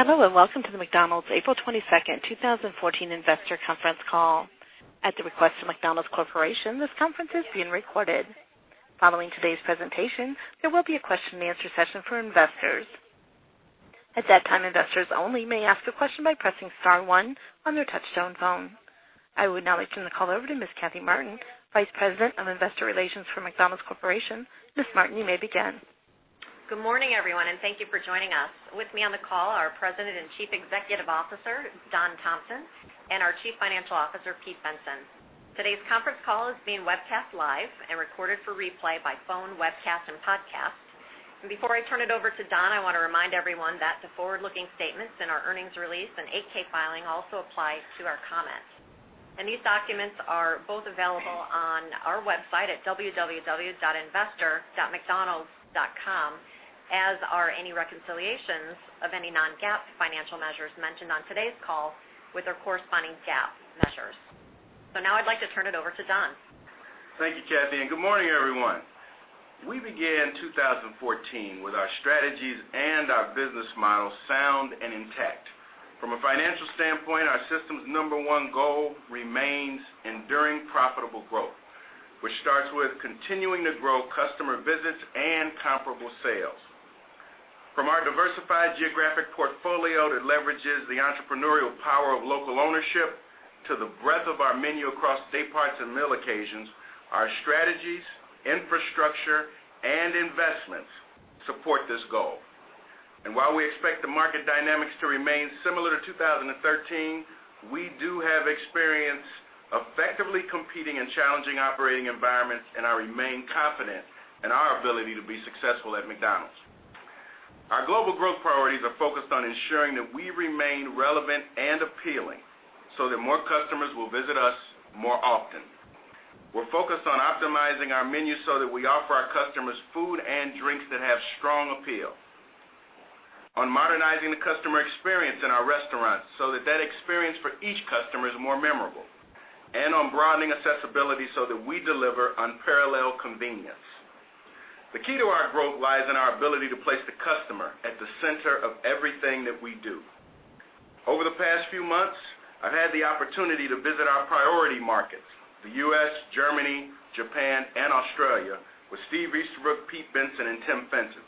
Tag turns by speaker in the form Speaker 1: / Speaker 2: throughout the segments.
Speaker 1: Hello, welcome to the McDonald's April 22nd, 2014 investor conference call. At the request of McDonald's Corporation, this conference is being recorded. Following today's presentation, there will be a question and answer session for investors. At that time, investors only may ask a question by pressing star one on their touch-tone phone. I would now like to turn the call over to Ms. Kathy Martin, Vice President of Investor Relations for McDonald's Corporation. Ms. Martin, you may begin.
Speaker 2: Good morning, everyone, thank you for joining us. With me on the call are President and Chief Executive Officer, Don Thompson, and our Chief Financial Officer, Pete Bensen. Today's conference call is being webcast live and recorded for replay by phone, webcast, and podcast. Before I turn it over to Don, I want to remind everyone that the forward-looking statements in our earnings release and 8-K filing also apply to our comments. These documents are both available on our website at www.investor.mcdonalds.com, as are any reconciliations of any non-GAAP financial measures mentioned on today's call with their corresponding GAAP measures. Now I'd like to turn it over to Don.
Speaker 3: Thank you, Kathy, good morning, everyone. We began 2014 with our strategies and our business model sound and intact. From a financial standpoint, our system's number 1 goal remains enduring profitable growth, which starts with continuing to grow customer visits and comparable sales. From our diversified geographic portfolio that leverages the entrepreneurial power of local ownership, to the breadth of our menu across day parts and meal occasions, our strategies, infrastructure, and investments support this goal. While we expect the market dynamics to remain similar to 2013, we do have experience effectively competing in challenging operating environments, and I remain confident in our ability to be successful at McDonald's. Our global growth priorities are focused on ensuring that we remain relevant and appealing so that more customers will visit us more often. We're focused on optimizing our menu so that we offer our customers food and drinks that have strong appeal, on modernizing the customer experience in our restaurants so that that experience for each customer is more memorable, and on broadening accessibility so that we deliver unparalleled convenience. The key to our growth lies in our ability to place the customer at the center of everything that we do. Over the past few months, I've had the opportunity to visit our priority markets, the U.S., Germany, Japan, and Australia, with Steve Easterbrook, Pete Bensen, and Tim Fenton.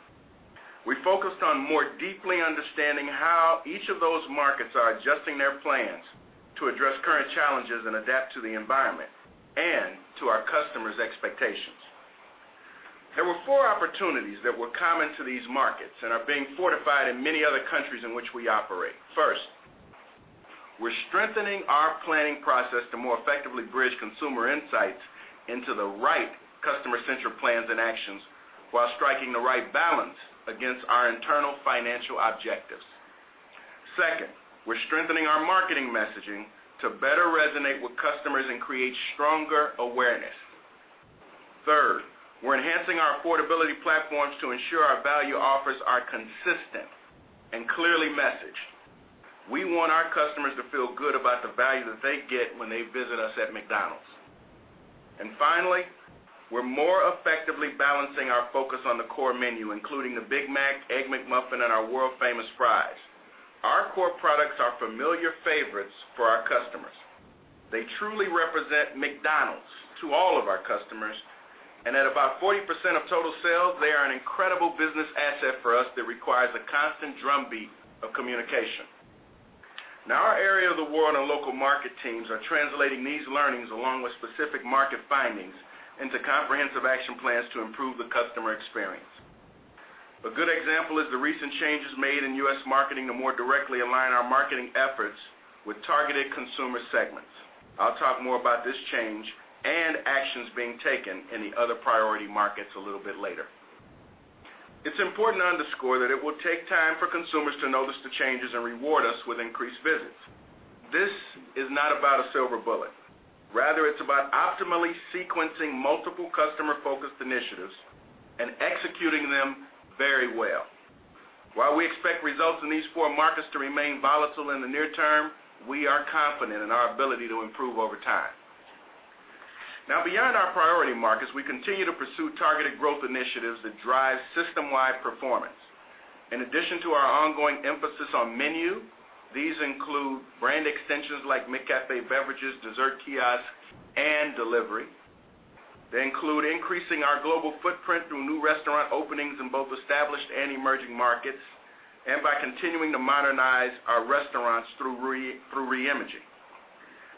Speaker 3: We focused on more deeply understanding how each of those markets are adjusting their plans to address current challenges and adapt to the environment and to our customers' expectations. There were four opportunities that were common to these markets and are being fortified in many other countries in which we operate. First, we're strengthening our planning process to more effectively bridge consumer insights into the right customer-centric plans and actions while striking the right balance against our internal financial objectives. Second, we're strengthening our marketing messaging to better resonate with customers and create stronger awareness. Third, we're enhancing our affordability platforms to ensure our value offers are consistent and clearly messaged. We want our customers to feel good about the value that they get when they visit us at McDonald's. Finally, we're more effectively balancing our focus on the core menu, including the Big Mac, Egg McMuffin, and our world-famous fries. Our core products are familiar favorites for our customers. They truly represent McDonald's to all of our customers, and at about 40% of total sales, they are an incredible business asset for us that requires a constant drumbeat of communication. Now our area of the world and local market teams are translating these learnings along with specific market findings into comprehensive action plans to improve the customer experience. A good example is the recent changes made in U.S. marketing to more directly align our marketing efforts with targeted consumer segments. I'll talk more about this change and actions being taken in the other priority markets a little bit later. It's important to underscore that it will take time for consumers to notice the changes and reward us with increased visits. This is not about a silver bullet. Rather, it's about optimally sequencing multiple customer-focused initiatives and executing them very well. While we expect results in these four markets to remain volatile in the near term, we are confident in our ability to improve over time. Beyond our priority markets, we continue to pursue targeted growth initiatives that drive system-wide performance. In addition to our ongoing emphasis on menu, these include brand extensions like McCafé beverages, dessert kiosks, and delivery. They include increasing our global footprint through new restaurant openings in both established and emerging markets and by continuing to modernize our restaurants through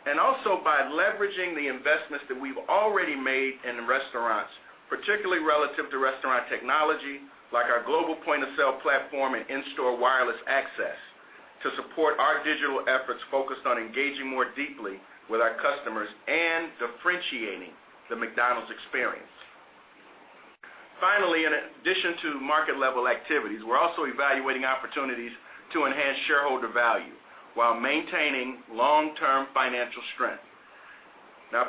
Speaker 3: reimaging. Also by leveraging the investments that we've already made in the restaurants, particularly relative to restaurant technology, like our global point-of-sale platform and in-store wireless access, to support our digital efforts focused on engaging more deeply with our customers and differentiating the McDonald's experience. Finally, in addition to market-level activities, we're also evaluating opportunities to enhance shareholder value while maintaining long-term financial strength.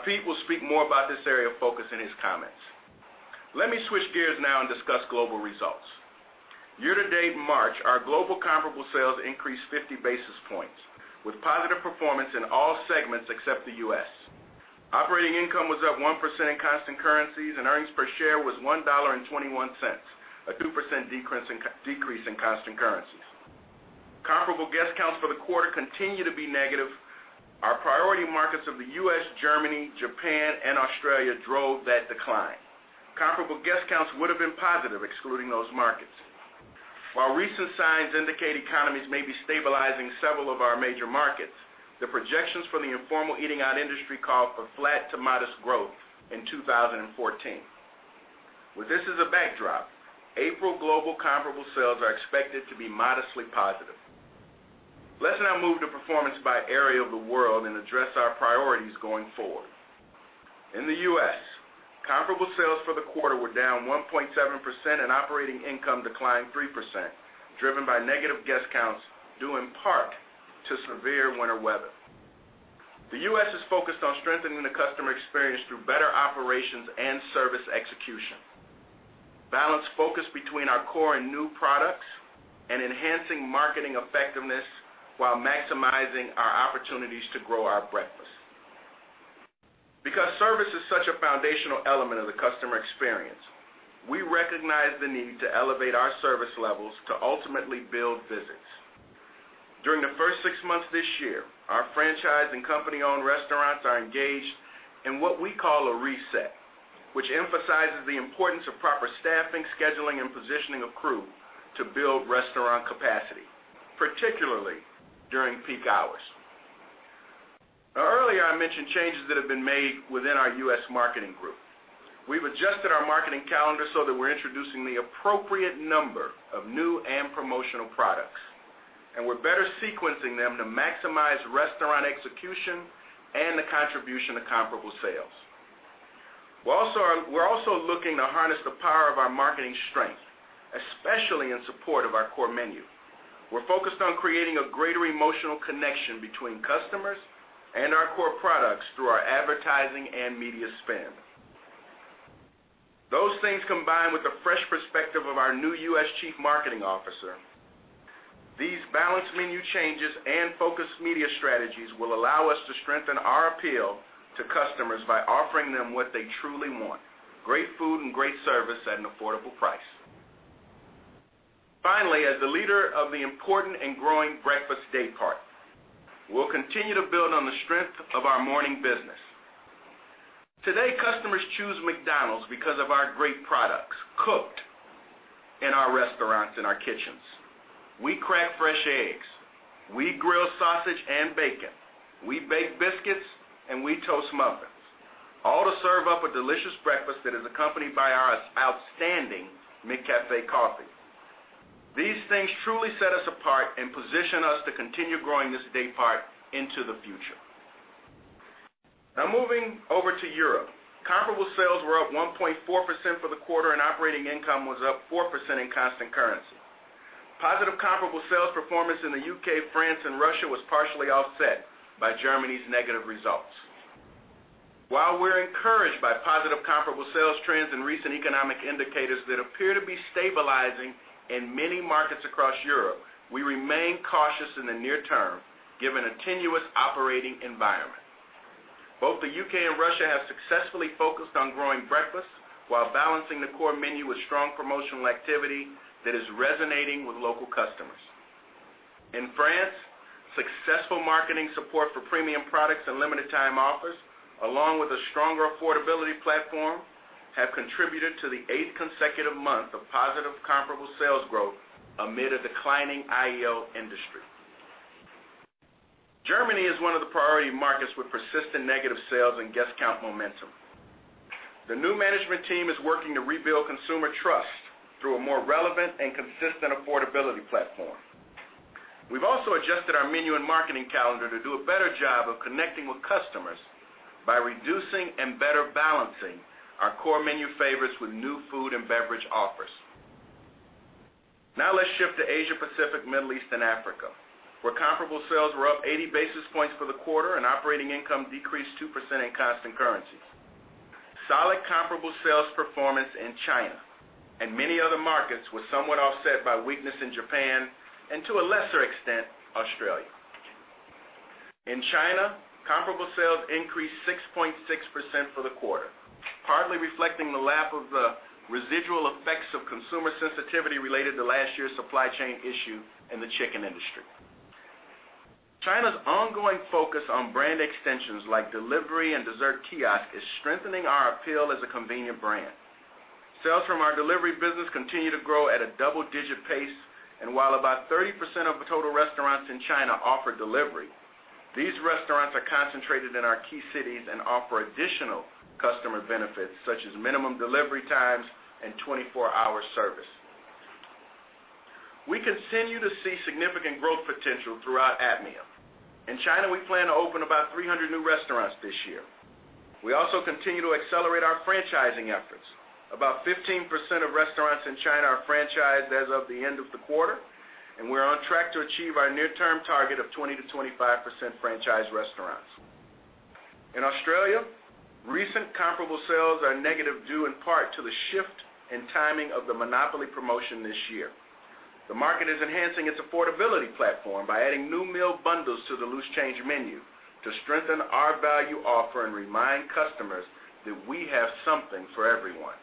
Speaker 3: Pete will speak more about this area of focus in his comments. Let me switch gears now and discuss global results. Year-to-date March, our global comparable sales increased 50 basis points with positive performance in all segments except the U.S. Operating income was up 1% in constant currencies, and earnings per share was $1.21, a 2% decrease in constant currencies. Comparable guest counts for the quarter continue to be negative. Our priority markets of the U.S., Germany, Japan, and Australia drove that decline. Comparable guest counts would've been positive excluding those markets. While recent signs indicate economies may be stabilizing several of our major markets, the projections for the informal eating-out industry call for flat to modest growth in 2014. With this as a backdrop, April global comparable sales are expected to be modestly positive. Let's now move to performance by area of the world and address our priorities going forward. In the U.S., comparable sales for the quarter were down 1.7%, and operating income declined 3%, driven by negative guest counts, due in part to severe winter weather. The U.S. is focused on strengthening the customer experience through better operations and service execution, balanced focus between our core and new products, and enhancing marketing effectiveness while maximizing our opportunities to grow our breakfast. Because service is such a foundational element of the customer experience, we recognize the need to elevate our service levels to ultimately build visits. During the first six months this year, our franchise and company-owned restaurants are engaged in what we call a reset, which emphasizes the importance of proper staffing, scheduling, and positioning of crew to build restaurant capacity, particularly during peak hours. Earlier I mentioned changes that have been made within our U.S. marketing group. We've adjusted our marketing calendar so that we're introducing the appropriate number of new and promotional products, and we're better sequencing them to maximize restaurant execution and the contribution to comparable sales. We're also looking to harness the power of our marketing strength, especially in support of our core menu. We're focused on creating a greater emotional connection between customers and our core products through our advertising and media spend. Those things combine with the fresh perspective of our new U.S. chief marketing officer. These balanced menu changes and focused media strategies will allow us to strengthen our appeal to customers by offering them what they truly want, great food and great service at an affordable price. Finally, as the leader of the important and growing breakfast day part, we'll continue to build on the strength of our morning business. Today, customers choose McDonald's because of our great products cooked in our restaurants, in our kitchens. We crack fresh eggs, we grill sausage and bacon, we bake biscuits, and we toast muffins, all to serve up a delicious breakfast that is accompanied by our outstanding McCafé coffee. These things truly set us apart and position us to continue growing this day part into the future. Moving over to Europe. Comparable sales were up 1.4% for the quarter, and operating income was up 4% in constant currency. Positive comparable sales performance in the U.K., France, and Russia was partially offset by Germany's negative results. While we're encouraged by positive comparable sales trends and recent economic indicators that appear to be stabilizing in many markets across Europe, we remain cautious in the near term, given a tenuous operating environment. Both the U.K. and Russia have successfully focused on growing breakfast while balancing the core menu with strong promotional activity that is resonating with local customers. In France, successful marketing support for premium products and limited time offers, along with a stronger affordability platform, have contributed to the eighth consecutive month of positive comparable sales growth amid a declining IEO industry. Germany is one of the priority markets with persistent negative sales and guest count momentum. The new management team is working to rebuild consumer trust through a more relevant and consistent affordability platform. We've also adjusted our menu and marketing calendar to do a better job of connecting with customers by reducing and better balancing our core menu favorites with new food and beverage offers. Now let's shift to Asia Pacific, Middle East, and Africa, where comparable sales were up 80 basis points for the quarter and operating income decreased 2% in constant currency. Solid comparable sales performance in China and many other markets was somewhat offset by weakness in Japan and, to a lesser extent, Australia. In China, comparable sales increased 6.6% for the quarter, partly reflecting the lap of the residual effects of consumer sensitivity related to last year's supply chain issue in the chicken industry. China's ongoing focus on brand extensions like delivery and dessert kiosk is strengthening our appeal as a convenient brand. Sales from our delivery business continue to grow at a double-digit pace, and while about 30% of the total restaurants in China offer delivery, these restaurants are concentrated in our key cities and offer additional customer benefits, such as minimum delivery times and 24-hour service. We continue to see significant growth potential throughout APMEA. In China, we plan to open about 300 new restaurants this year. We also continue to accelerate our franchising efforts. About 15% of restaurants in China are franchised as of the end of the quarter, and we're on track to achieve our near-term target of 20%-25% franchised restaurants. In Australia, recent comparable sales are negative due in part to the shift in timing of the Monopoly promotion this year. The market is enhancing its affordability platform by adding new meal bundles to the Loose Change Menu to strengthen our value offer and remind customers that we have something for everyone.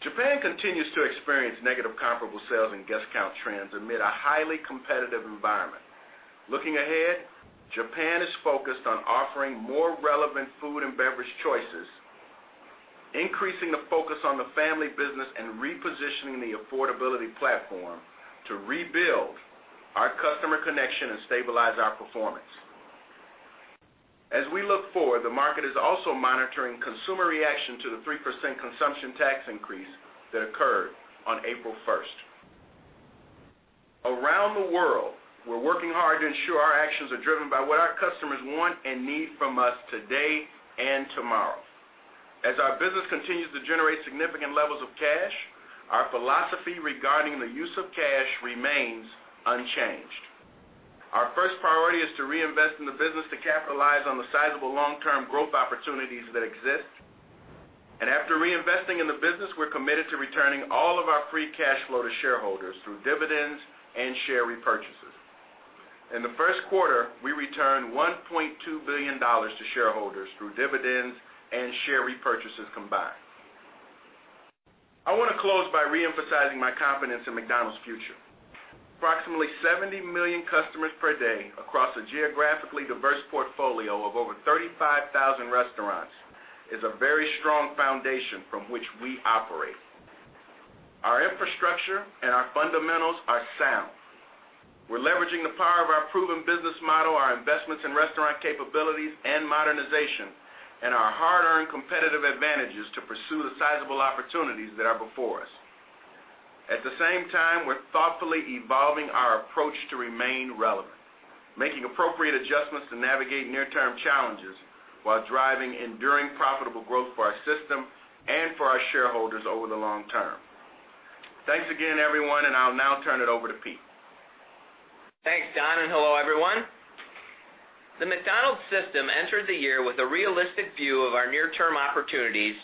Speaker 3: Japan continues to experience negative comparable sales and guest count trends amid a highly competitive environment. Looking ahead, Japan is focused on offering more relevant food and beverage choices, increasing the focus on the family business, and repositioning the affordability platform to rebuild our customer connection and stabilize our performance. As we look forward, the market is also monitoring consumer reaction to the 3% consumption tax increase that occurred on April 1st. Around the world, we're working hard to ensure our actions are driven by what our customers want and need from us today and tomorrow. As our business continues to generate significant levels of cash, our philosophy regarding the use of cash remains unchanged. Our first priority is to reinvest in the business to capitalize on the sizable long-term growth opportunities that exist. After reinvesting in the business, we're committed to returning all of our free cash flow to shareholders through dividends and share repurchases. In the first quarter, we returned $1.2 billion to shareholders through dividends and share repurchases combined. I want to close by re-emphasizing my confidence in McDonald's future. Approximately 70 million customers per day across a geographically diverse portfolio of over 35,000 restaurants is a very strong foundation from which we operate. Our infrastructure and our fundamentals are sound. We're leveraging the power of our proven business model, our investments in restaurant capabilities and modernization, and our hard-earned competitive advantages to pursue the sizable opportunities that are before us. At the same time, we're thoughtfully evolving our approach to remain relevant, making appropriate adjustments to navigate near-term challenges, while driving enduring profitable growth for our system and for our shareholders over the long term. Thanks again, everyone, and I'll now turn it over to Pete.
Speaker 4: Thanks, Don, hello, everyone. The McDonald's system entered the year with a realistic view of our near-term opportunities,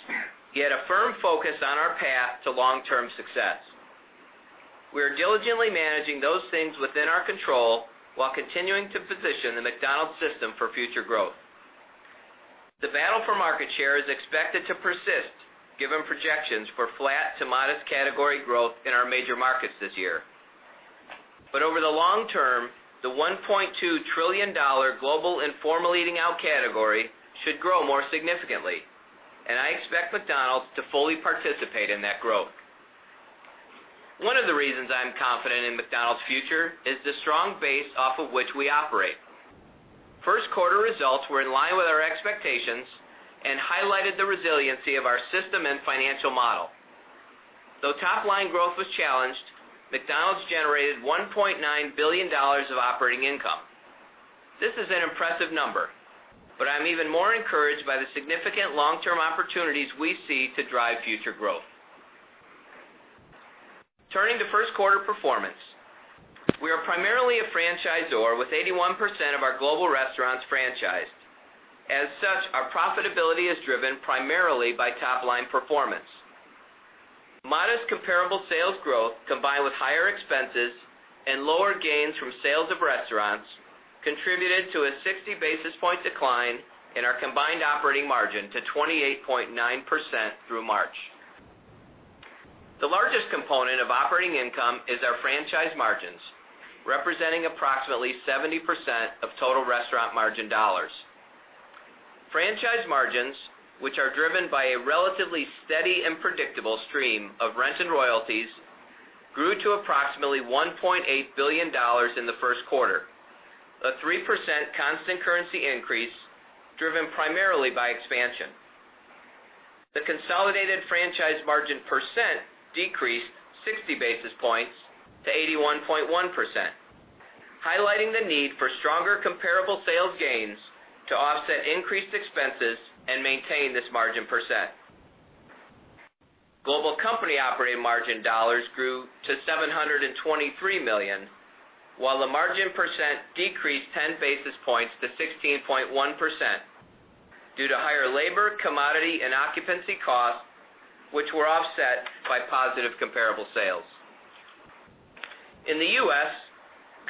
Speaker 4: yet a firm focus on our path to long-term success. We are diligently managing those things within our control while continuing to position the McDonald's system for future growth. The battle for market share is expected to persist given projections for flat to modest category growth in our major markets this year. Over the long term, the $1.2 trillion global Informal Eating Out Category should grow more significantly, and I expect McDonald's to fully participate in that growth. One of the reasons I'm confident in McDonald's future is the strong base off of which we operate. First quarter results were in line with our expectations and highlighted the resiliency of our system and financial model. Though top line growth was challenged, McDonald's generated $1.9 billion of operating income. This is an impressive number, I'm even more encouraged by the significant long-term opportunities we see to drive future growth. Turning to first quarter performance, we are primarily a franchisor with 81% of our global restaurants franchised. As such, our profitability is driven primarily by top line performance. Modest comparable sales growth, combined with higher expenses and lower gains from sales of restaurants, contributed to a 60 basis point decline in our combined operating margin to 28.9% through March. The largest component of operating income is our franchise margins, representing approximately 70% of total restaurant margin dollars. Franchise margins, which are driven by a relatively steady and predictable stream of rent and royalties, grew to approximately $1.8 billion in the first quarter, a 3% constant currency increase driven primarily by expansion. The consolidated franchise margin percent decreased 60 basis points to 81.1%, highlighting the need for stronger comparable sales gains to offset increased expenses and maintain this margin percent. Global company operating margin dollars grew to $723 million, while the margin percent decreased 10 basis points to 16.1% due to higher labor, commodity, and occupancy costs, which were offset by positive comparable sales. In the U.S.,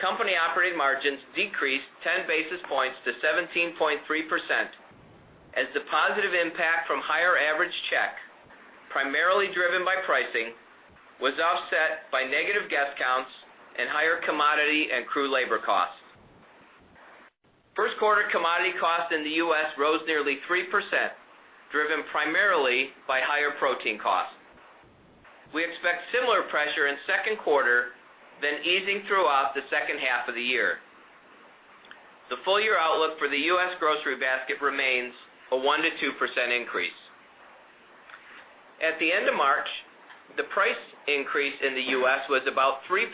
Speaker 4: company operating margins decreased 10 basis points to 17.3% as the positive impact from higher average check, primarily driven by pricing, was offset by negative guest counts and higher commodity and crew labor costs. First quarter commodity costs in the U.S. rose nearly 3%, driven primarily by higher protein costs. We expect similar pressure in second quarter, easing throughout the second half of the year. The full year outlook for the U.S. grocery basket remains a 1%-2% increase. At the end of March, the price increase in the U.S. was about 3%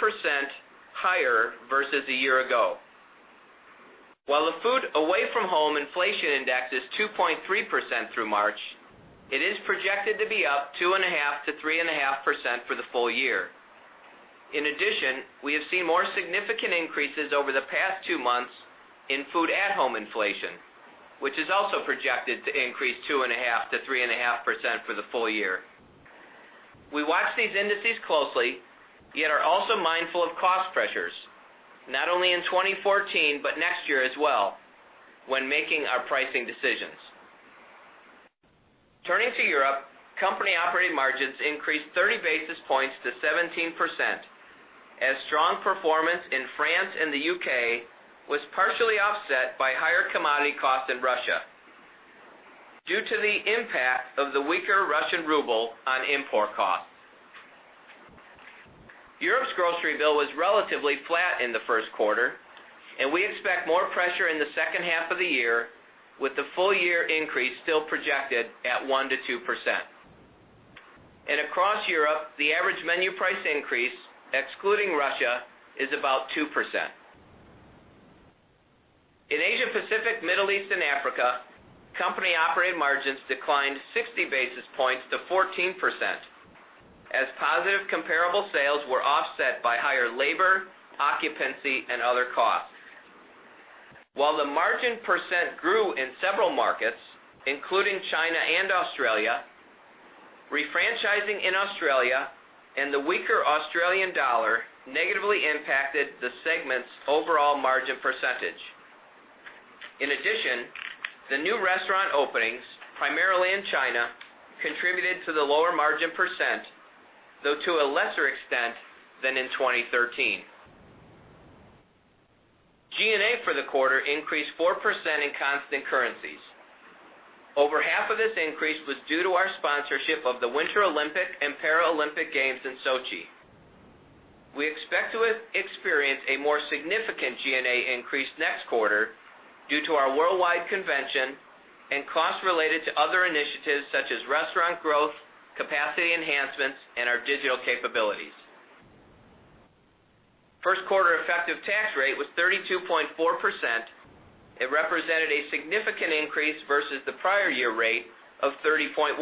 Speaker 4: higher versus a year ago. While the food away from home inflation index is 2.3% through March, it is projected to be up 2.5%-3.5% for the full year. In addition, we have seen more significant increases over the past two months in food at home inflation, which is also projected to increase 2.5%-3.5% for the full year. We watch these indices closely, are also mindful of cost pressures, not only in 2014, but next year as well when making our pricing decisions. Turning to Europe, company operating margins increased 30 basis points to 17%, as strong performance in France and the U.K. was partially offset by higher commodity costs in Russia due to the impact of the weaker Russian ruble on import costs. Europe's grocery bill was relatively flat in the first quarter, we expect more pressure in the second half of the year, with the full-year increase still projected at 1%-2%. Across Europe, the average menu price increase, excluding Russia, is about 2%. In Asia Pacific, Middle East, and Africa, company operating margins declined 60 basis points to 14%, as positive comparable sales were offset by higher labor, occupancy, and other costs. While the margin percent grew in several markets, including China and Australia, refranchising in Australia and the weaker Australian dollar negatively impacted the segment's overall margin percentage. In addition, the new restaurant openings, primarily in China, contributed to the lower margin percent, though to a lesser extent than in 2013. G&A for the quarter increased 4% in constant currencies. Over half of this increase was due to our sponsorship of the Sochi 2014 Olympic Winter Games in Sochi. We expect to experience a more significant G&A increase next quarter due to our worldwide convention and costs related to other initiatives such as restaurant growth, capacity enhancements, and our digital capabilities. First quarter effective tax rate was 32.4%. It represented a significant increase versus the prior year rate of 30.1%,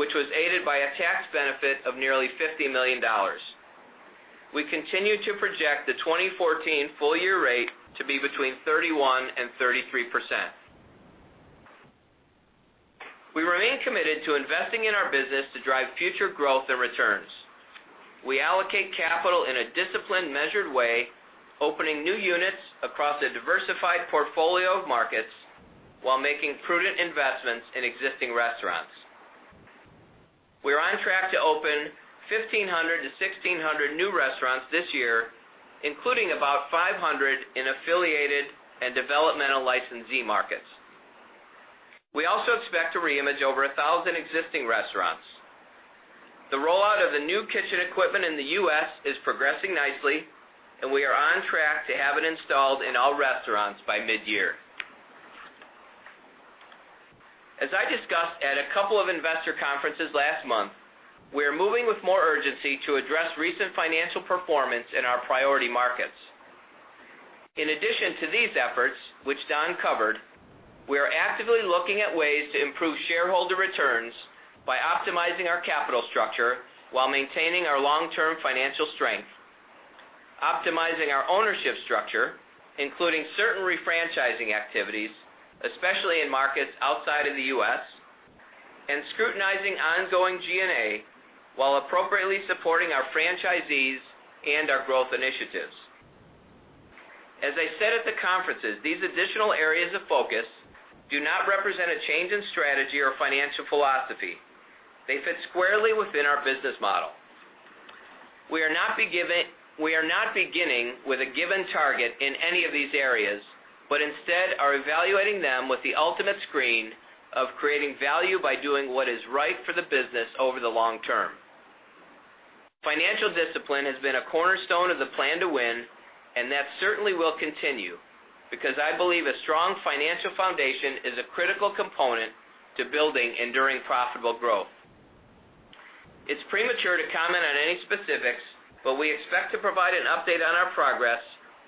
Speaker 4: which was aided by a tax benefit of nearly $50 million. We continue to project the 2014 full-year rate to be between 31% and 33%. We remain committed to investing in our business to drive future growth and returns. We allocate capital in a disciplined, measured way, opening new units across a diversified portfolio of markets while making prudent investments in existing restaurants. We are on track to open 1,500 to 1,600 new restaurants this year, including about 500 in affiliated and developmental licensee markets. We also expect to reimage over 1,000 existing restaurants. The rollout of the new kitchen equipment in the U.S. is progressing nicely, we are on track to have it installed in all restaurants by mid-year. As I discussed at a couple of investor conferences last month, we are moving with more urgency to address recent financial performance in our priority markets. In addition to these efforts, which Don covered, we are actively looking at ways to improve shareholder returns by optimizing our capital structure while maintaining our long-term financial strength, optimizing our ownership structure, including certain refranchising activities, especially in markets outside of the U.S., and scrutinizing ongoing G&A while appropriately supporting our franchisees and our growth initiatives. As I said at the conferences, these additional areas of focus do not represent a change in strategy or financial philosophy. They fit squarely within our business model. We are not beginning with a given target in any of these areas, but instead are evaluating them with the ultimate screen of creating value by doing what is right for the business over the long term. Financial discipline has been a cornerstone of the Plan to Win, that certainly will continue, because I believe a strong financial foundation is a critical component to building enduring profitable growth. It's premature to comment on any specifics, but we expect to provide an update on our progress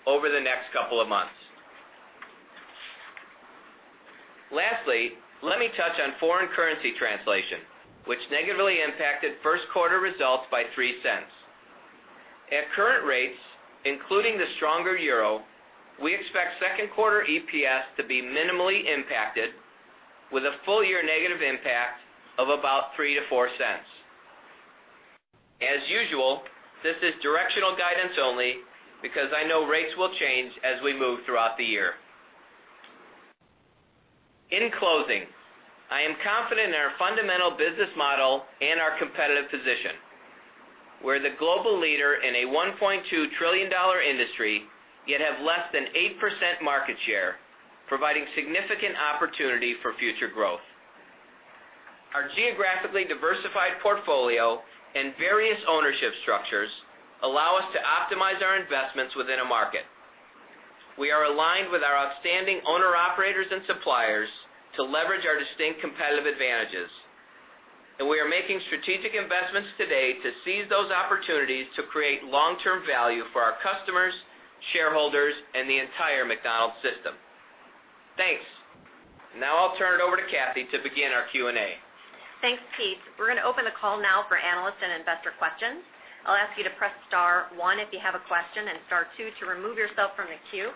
Speaker 4: over the next couple of months. Lastly, let me touch on foreign currency translation, which negatively impacted first quarter results by $0.03. At current rates, including the stronger euro, we expect second quarter EPS to be minimally impacted with a full-year negative impact of about $0.03-$0.04. As usual, this is directional guidance only because I know rates will change as we move throughout the year. In closing, I am confident in our fundamental business model and our competitive position. We're the global leader in a $1.2 trillion industry, yet have less than 8% market share, providing significant opportunity for future growth. Our geographically diversified portfolio and various ownership structures allow us to optimize our investments within a market. We are aligned with our outstanding owner-operators and suppliers to leverage our distinct competitive advantages, and we are making strategic investments today to seize those opportunities to create long-term value for our customers, shareholders, and the entire McDonald's system. Thanks. Now I'll turn it over to Kathy to begin our Q&A.
Speaker 2: Thanks, Pete. We're going to open the call now for analyst and investor questions. I'll ask you to press star one if you have a question, and star two to remove yourself from the queue.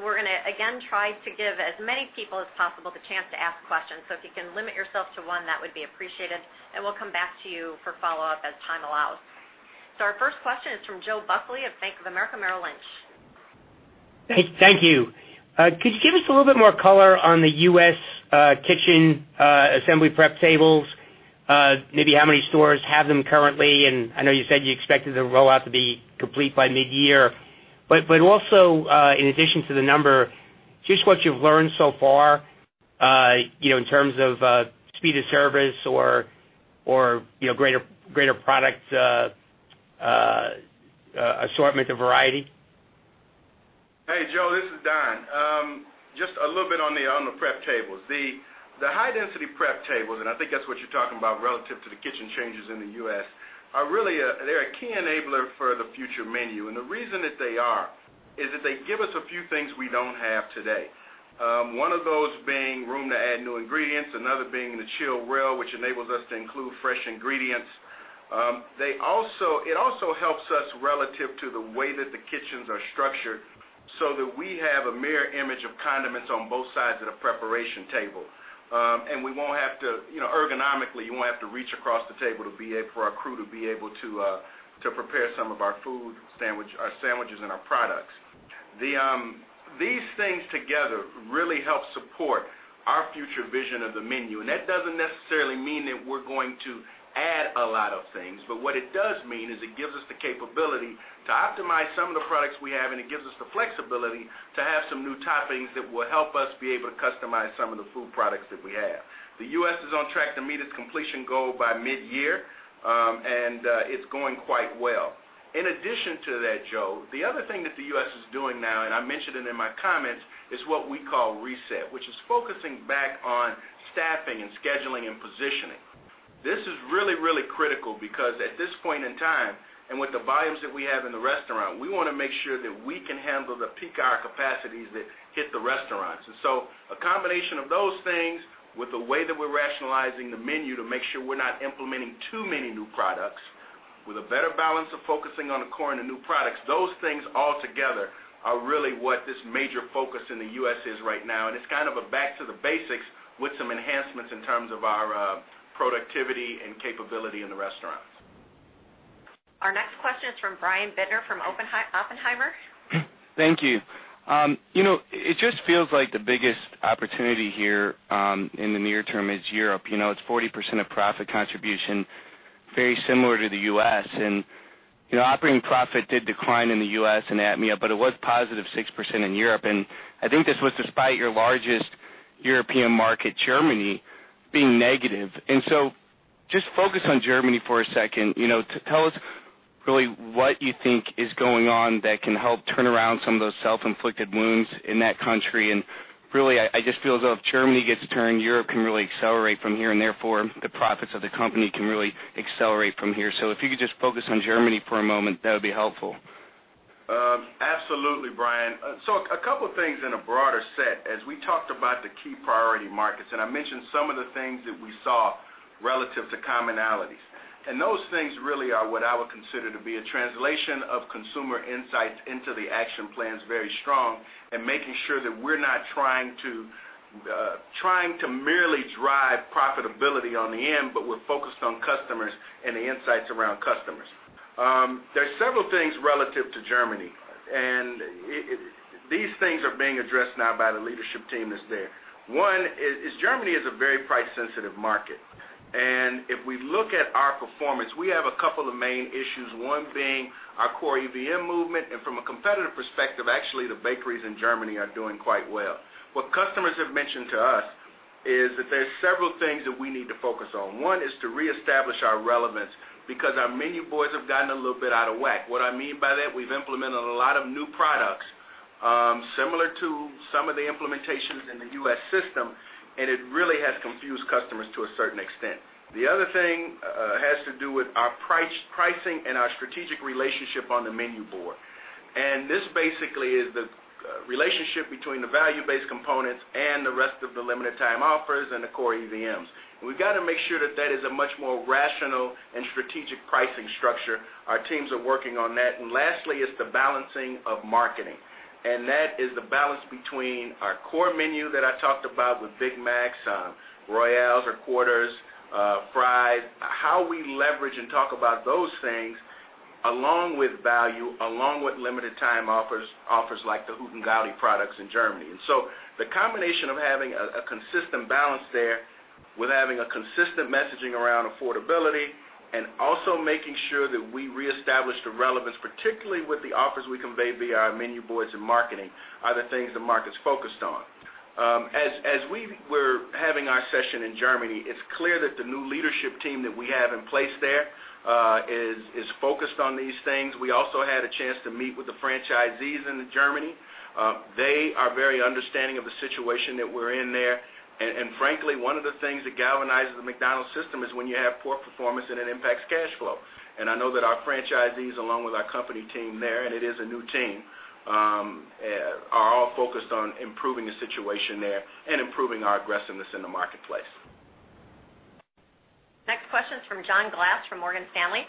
Speaker 2: We're going to again try to give as many people as possible the chance to ask questions, so if you can limit yourself to one, that would be appreciated, and we'll come back to you for follow-up as time allows. Our first question is from Joe Buckley of Bank of America Merrill Lynch.
Speaker 5: Thank you. Could you give us a little bit more color on the U.S. kitchen assembly prep tables? Maybe how many stores have them currently? I know you said you expected the rollout to be complete by mid-year, also, in addition to the number, just what you've learned so far in terms of speed of service or greater product assortment or variety.
Speaker 3: Hey, Joe. This is Don. Just a little bit on the prep tables. The high-density prep tables, I think that's what you're talking about relative to the kitchen changes in the U.S., they're a key enabler for the future menu. The reason that they are is that they give us a few things we don't have today. One of those being room to add new ingredients, another being the chill rail, which enables us to include fresh ingredients. It also helps us relative to the way that the kitchens are structured so that we have a mirror image of condiments on both sides of the preparation table. Ergonomically, you won't have to reach across the table for our crew to be able to prepare some of our food, our sandwiches, and our products. These things together really help support our future vision of the menu. That doesn't necessarily mean that we're going to add a lot of things. What it does mean is it gives us the capability to optimize some of the products we have, and it gives us the flexibility to have some new toppings that will help us be able to customize some of the food products that we have. The U.S. is on track to meet its completion goal by mid-year. It's going quite well. In addition to that, Joe, the other thing that the U.S. is doing now, and I mentioned it in my comments, is what we call reset, which is focusing back on staffing and scheduling and positioning. This is really critical because at this point in time, with the volumes that we have in the restaurant, we want to make sure that we can handle the peak hour capacities that hit the restaurants. A combination of those things with the way that we're rationalizing the menu to make sure we're not implementing too many new products with a better balance of focusing on the core and the new products, those things all together are really what this major focus in the U.S. is right now. It's kind of a back to the basics with some enhancements in terms of our productivity and capability in the restaurants.
Speaker 2: Our next question is from Brian Bittner from Oppenheimer.
Speaker 6: Thank you. It just feels like the biggest opportunity here in the near term is Europe. It's 40% of profit contribution, very similar to the U.S. Operating profit did decline in the U.S. and APMEA, but it was positive 6% in Europe. I think this was despite your largest European market, Germany, being negative. Just focus on Germany for a second. Tell us really what you think is going on that can help turn around some of those self-inflicted wounds in that country. Really, I just feel as though if Germany gets turned, Europe can really accelerate from here, and therefore the profits of the company can really accelerate from here. If you could just focus on Germany for a moment, that would be helpful.
Speaker 3: Absolutely, Brian. A couple things in a broader set. As we talked about the key priority markets, and I mentioned some of the things that we saw relative to commonalities. Those things really are what I would consider to be a translation of consumer insights into the action plans very strong and making sure that we're not trying to merely drive profitability on the end, but we're focused on customers and the insights around customers. There's several things relative to Germany, and these things are being addressed now by the leadership team that's there. One is Germany is a very price-sensitive market. If we look at our performance, we have a couple of main issues, one being our core EVM movement. From a competitive perspective, actually, the bakeries in Germany are doing quite well. What customers have mentioned to us is that there's several things that we need to focus on. One is to reestablish our relevance because our menu boards have gotten a little bit out of whack. What I mean by that, we've implemented a lot of new products, similar to some of the implementations in the U.S. system, and it really has confused customers to a certain extent. The other thing has to do with our pricing and our strategic relationship on the menu board. This basically is the relationship between the value-based components and the rest of the limited time offers and the core EVMs. We've got to make sure that that is a much more rational and strategic pricing structure. Our teams are working on that. Lastly is the balancing of marketing, and that is the balance between our core menu that I talked about with Big Macs, Royals or Quarters, fries, how we leverage and talk about those things along with value, along with limited time offers like the Hüttengaudi products in Germany. The combination of having a consistent balance there with having a consistent messaging around affordability and also making sure that we reestablish the relevance, particularly with the offers we convey via our menu boards and marketing, are the things the market's focused on. As we were having our session in Germany, it's clear that the new leadership team that we have in place there is focused on these things. We also had a chance to meet with the franchisees in Germany. They are very understanding of the situation that we're in there. Frankly, one of the things that galvanizes the McDonald's system is when you have poor performance and it impacts cash flow. I know that our franchisees, along with our company team there, and it is a new team, are all focused on improving the situation there and improving our aggressiveness in the marketplace.
Speaker 2: From John Glass from Morgan Stanley.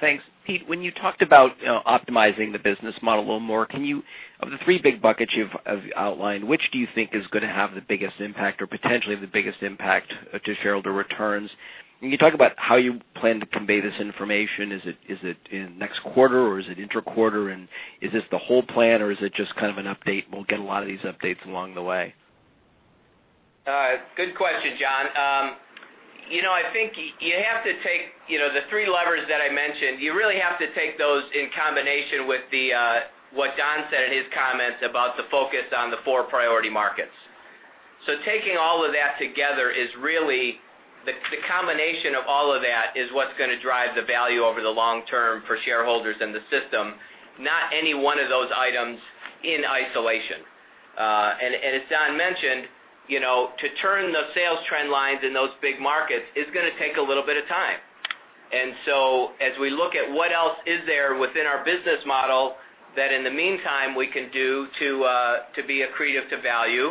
Speaker 7: Thanks. Pete, when you talked about optimizing the business model a little more, of the three big buckets you've outlined, which do you think is going to have the biggest impact or potentially the biggest impact to shareholder returns? Can you talk about how you plan to convey this information? Is it in next quarter, or is it intra-quarter, is this the whole plan, or is it just kind of an update, and we'll get a lot of these updates along the way?
Speaker 4: Good question, John. I think you have to take the three levers that I mentioned. You really have to take those in combination with what Don said in his comments about the focus on the four priority markets. Taking all of that together is really the combination of all of that is what's going to drive the value over the long term for shareholders in the system, not any one of those items in isolation. As Don mentioned, to turn the sales trend lines in those big markets is going to take a little bit of time. As we look at what else is there within our business model that in the meantime we can do to be accretive to value,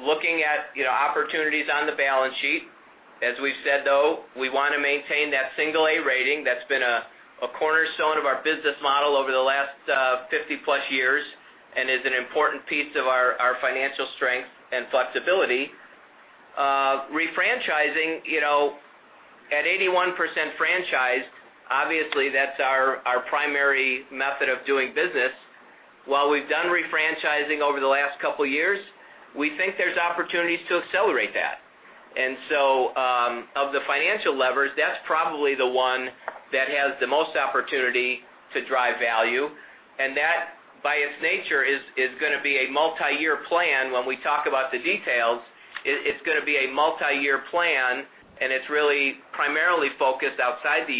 Speaker 4: looking at opportunities on the balance sheet. As we've said, though, we want to maintain that single A rating. That's been a cornerstone of our business model over the last 50 plus years and is an important piece of our financial strength and flexibility. Refranchising, at 81% franchised, obviously, that's our primary method of doing business. While we've done refranchising over the last couple of years, we think there's opportunities to accelerate that. Of the financial levers, that's probably the one that has the most opportunity to drive value, and that, by its nature, is going to be a multi-year plan. When we talk about the details, it's going to be a multi-year plan, and it's really primarily focused outside the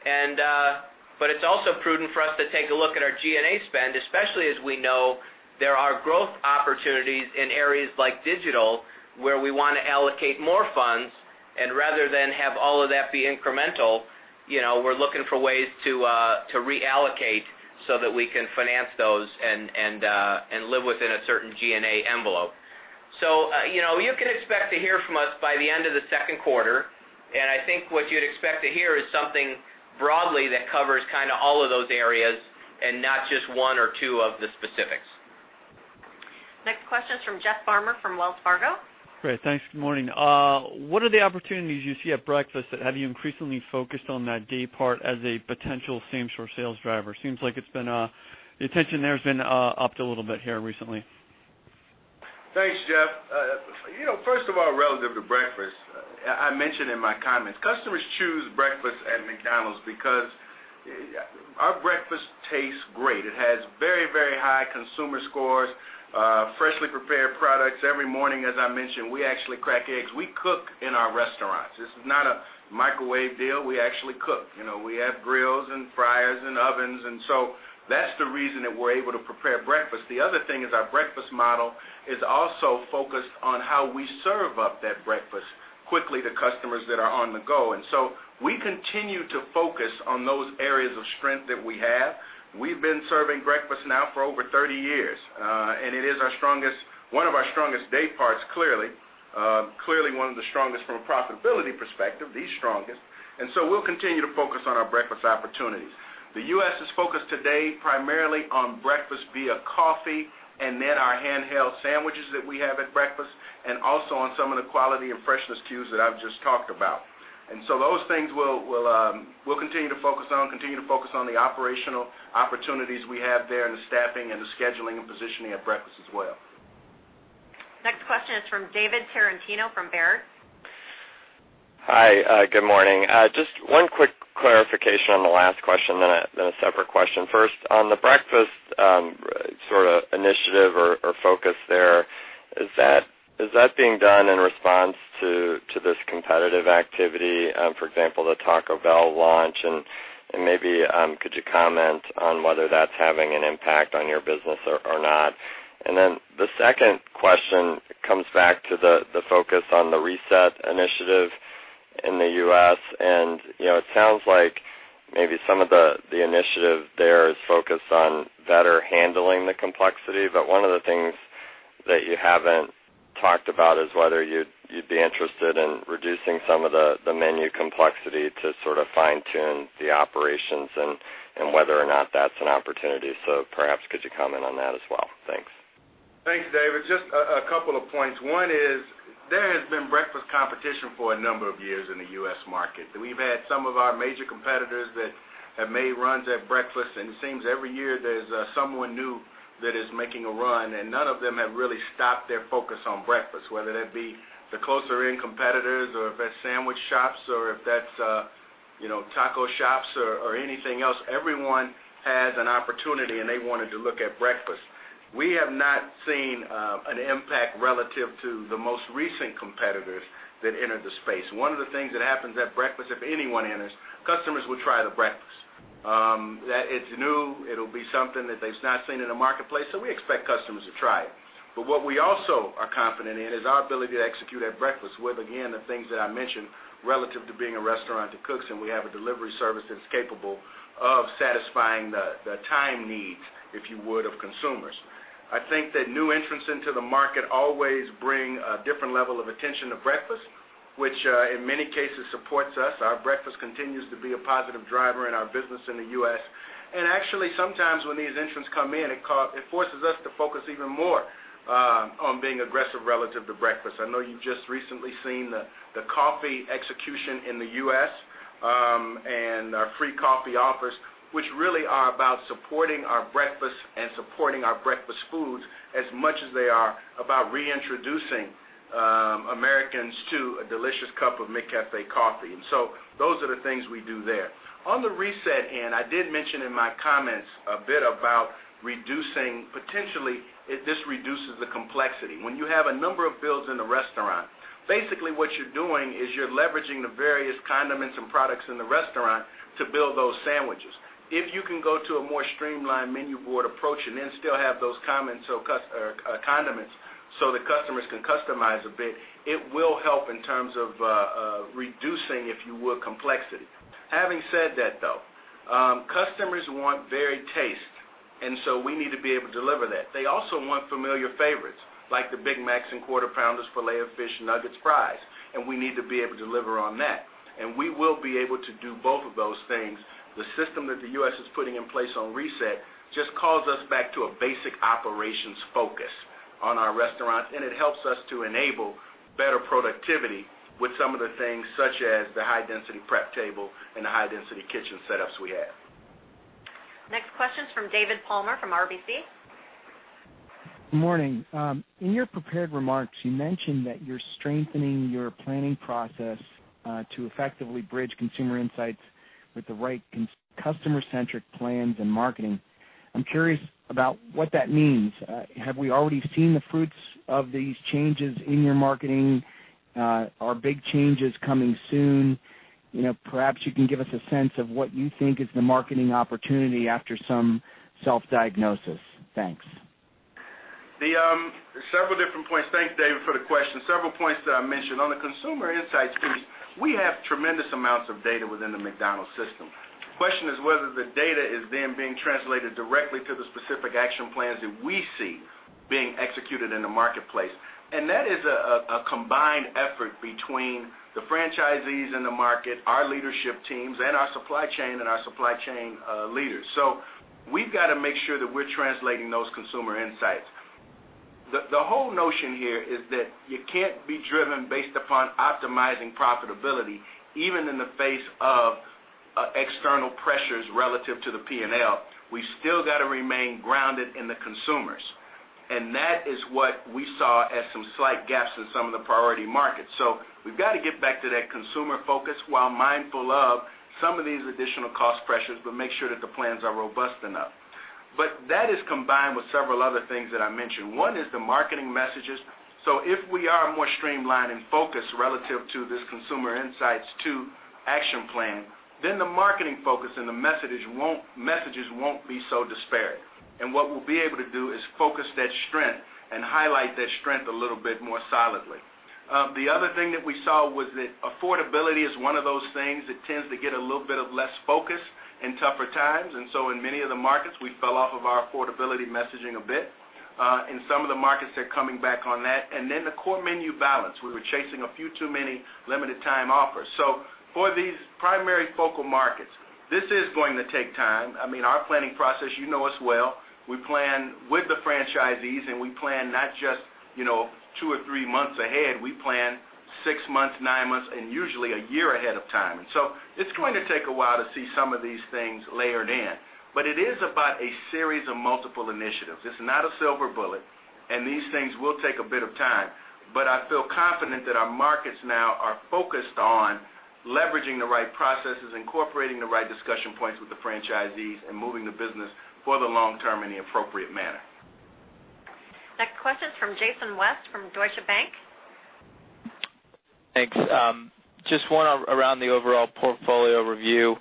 Speaker 4: U.S. It's also prudent for us to take a look at our G&A spend, especially as we know there are growth opportunities in areas like digital, where we want to allocate more funds. Rather than have all of that be incremental, we're looking for ways to reallocate so that we can finance those and live within a certain G&A envelope. You can expect to hear from us by the end of the second quarter. I think what you'd expect to hear is something broadly that covers all of those areas and not just one or two of the specifics.
Speaker 2: Next question is from Jeff Farmer from Wells Fargo.
Speaker 8: Great. Thanks. Good morning. What are the opportunities you see at breakfast and have you increasingly focused on that day part as a potential same-store sales driver? Seems like the attention there has been upped a little bit here recently.
Speaker 3: Thanks, Jeff. First of all, relative to breakfast, I mentioned in my comments, customers choose breakfast at McDonald's because our breakfast tastes great. It has very high consumer scores, freshly prepared products every morning. As I mentioned, we actually crack eggs. We cook in our restaurants. This is not a microwave deal. We actually cook. We have grills and fryers and ovens, so that's the reason that we're able to prepare breakfast. The other thing is our breakfast model is also focused on how we serve up that breakfast quickly to customers that are on the go. So we continue to focus on those areas of strength that we have. We've been serving breakfast now for over 30 years. It is one of our strongest day parts, clearly. Clearly one of the strongest from a profitability perspective, the strongest. We'll continue to focus on our breakfast opportunities. The U.S. is focused today primarily on breakfast via coffee and then our handheld sandwiches that we have at breakfast, also on some of the quality and freshness cues that I've just talked about. Those things we'll continue to focus on, continue to focus on the operational opportunities we have there and the staffing and the scheduling and positioning of breakfast as well.
Speaker 2: Next question is from David Tarantino from Baird.
Speaker 9: Hi, good morning. Just one quick clarification on the last question, then a separate question. First, on the breakfast initiative or focus there, is that being done in response to this competitive activity? For example, the Taco Bell launch, and maybe could you comment on whether that's having an impact on your business or not? The second question comes back to the focus on the reset initiative in the U.S. It sounds like maybe some of the initiative there is focused on better handling the complexity. One of the things that you haven't talked about is whether you'd be interested in reducing some of the menu complexity to fine-tune the operations and whether or not that's an opportunity. Perhaps could you comment on that as well? Thanks.
Speaker 3: Thanks, David. Just a couple of points. One is there has been breakfast competition for a number of years in the U.S. market. We've had some of our major competitors that have made runs at breakfast, it seems every year there's someone new that is making a run, none of them have really stopped their focus on breakfast, whether that be the closer in competitors or if that's sandwich shops or if that's taco shops or anything else. Everyone has an opportunity, they wanted to look at breakfast. We have not seen an impact relative to the most recent competitors that entered the space. One of the things that happens at breakfast, if anyone enters, customers will try the breakfast. It's new. It'll be something that they've not seen in the marketplace, so we expect customers to try it. What we also are confident in is our ability to execute at breakfast with, again, the things that I mentioned relative to being a restaurant that cooks, and we have a delivery service that's capable of satisfying the time needs, if you would, of consumers. I think that new entrants into the market always bring a different level of attention to breakfast, which in many cases supports us. Our breakfast continues to be a positive driver in our business in the U.S. Actually sometimes when these entrants come in, it forces us to focus even more on being aggressive relative to breakfast. I know you've just recently seen the coffee execution in the U.S. and our free coffee offers, which really are about supporting our breakfast and supporting our breakfast foods as much as they are about reintroducing Americans to a delicious cup of McCafé coffee. Those are the things we do there. On the reset end, I did mention in my comments a bit about potentially this reduces the complexity. When you have a number of builds in a restaurant, basically what you're doing is you're leveraging the various condiments and products in the restaurant to build those sandwiches. If you can go to a more streamlined menu board approach and then still have those condiments so the customers can customize a bit, it will help in terms of reducing, if you will, complexity. Having said that, though, customers want varied taste. We need to be able to deliver that. They also want familiar favorites like the Big Macs and Quarter Pounder, Filet-O-Fish, nuggets, fries. We will be able to do both of those things. The system that the U.S. is putting in place on reset just calls us back to a basic operations focus on our restaurants, and it helps us to enable better productivity with some of the things such as the high-density prep table and the high-density kitchen setups we have.
Speaker 2: Next question is from David Palmer from RBC.
Speaker 10: Morning. In your prepared remarks, you mentioned that you're strengthening your planning process to effectively bridge consumer insights with the right customer-centric plans and marketing. I'm curious about what that means. Have we already seen the fruits of these changes in your marketing? Are big changes coming soon? Perhaps you can give us a sense of what you think is the marketing opportunity after some self-diagnosis. Thanks.
Speaker 3: Several different points. Thanks, David, for the question. Several points that I mentioned. On the consumer insights piece, we have tremendous amounts of data within the McDonald's system. The question is whether the data is then being translated directly to the specific action plans that we see being executed in the marketplace. That is a combined effort between the franchisees in the market, our leadership teams, and our supply chain and our supply chain leaders. We've got to make sure that we're translating those consumer insights. The whole notion here is that you can't be driven based upon optimizing profitability, even in the face of external pressures relative to the P&L. We still got to remain grounded in the consumers. That is what we saw as some slight gaps in some of the priority markets. We've got to get back to that consumer focus while mindful of some of these additional cost pressures but make sure that the plans are robust enough. That is combined with several other things that I mentioned. One is the marketing messages. If we are more streamlined and focused relative to this consumer insights to action plan, then the marketing focus and the messages won't be so disparate. What we'll be able to do is focus that strength and highlight that strength a little bit more solidly. The other thing that we saw was that affordability is one of those things that tends to get a little bit of less focus in tougher times. In many of the markets, we fell off of our affordability messaging a bit. In some of the markets, they're coming back on that. The core menu balance. We were chasing a few too many limited time offers. For these primary focal markets, this is going to take time. Our planning process, you know us well. We plan with the franchisees, and we plan not just two or three months ahead. We plan six months, nine months, and usually a year ahead of time. It's going to take a while to see some of these things layered in. It is about a series of multiple initiatives. It's not a silver bullet, and these things will take a bit of time. I feel confident that our markets now are focused on leveraging the right processes, incorporating the right discussion points with the franchisees, and moving the business for the long term in the appropriate manner.
Speaker 2: Next question is from Jason West from Deutsche Bank.
Speaker 11: Thanks. Just one around the overall portfolio review.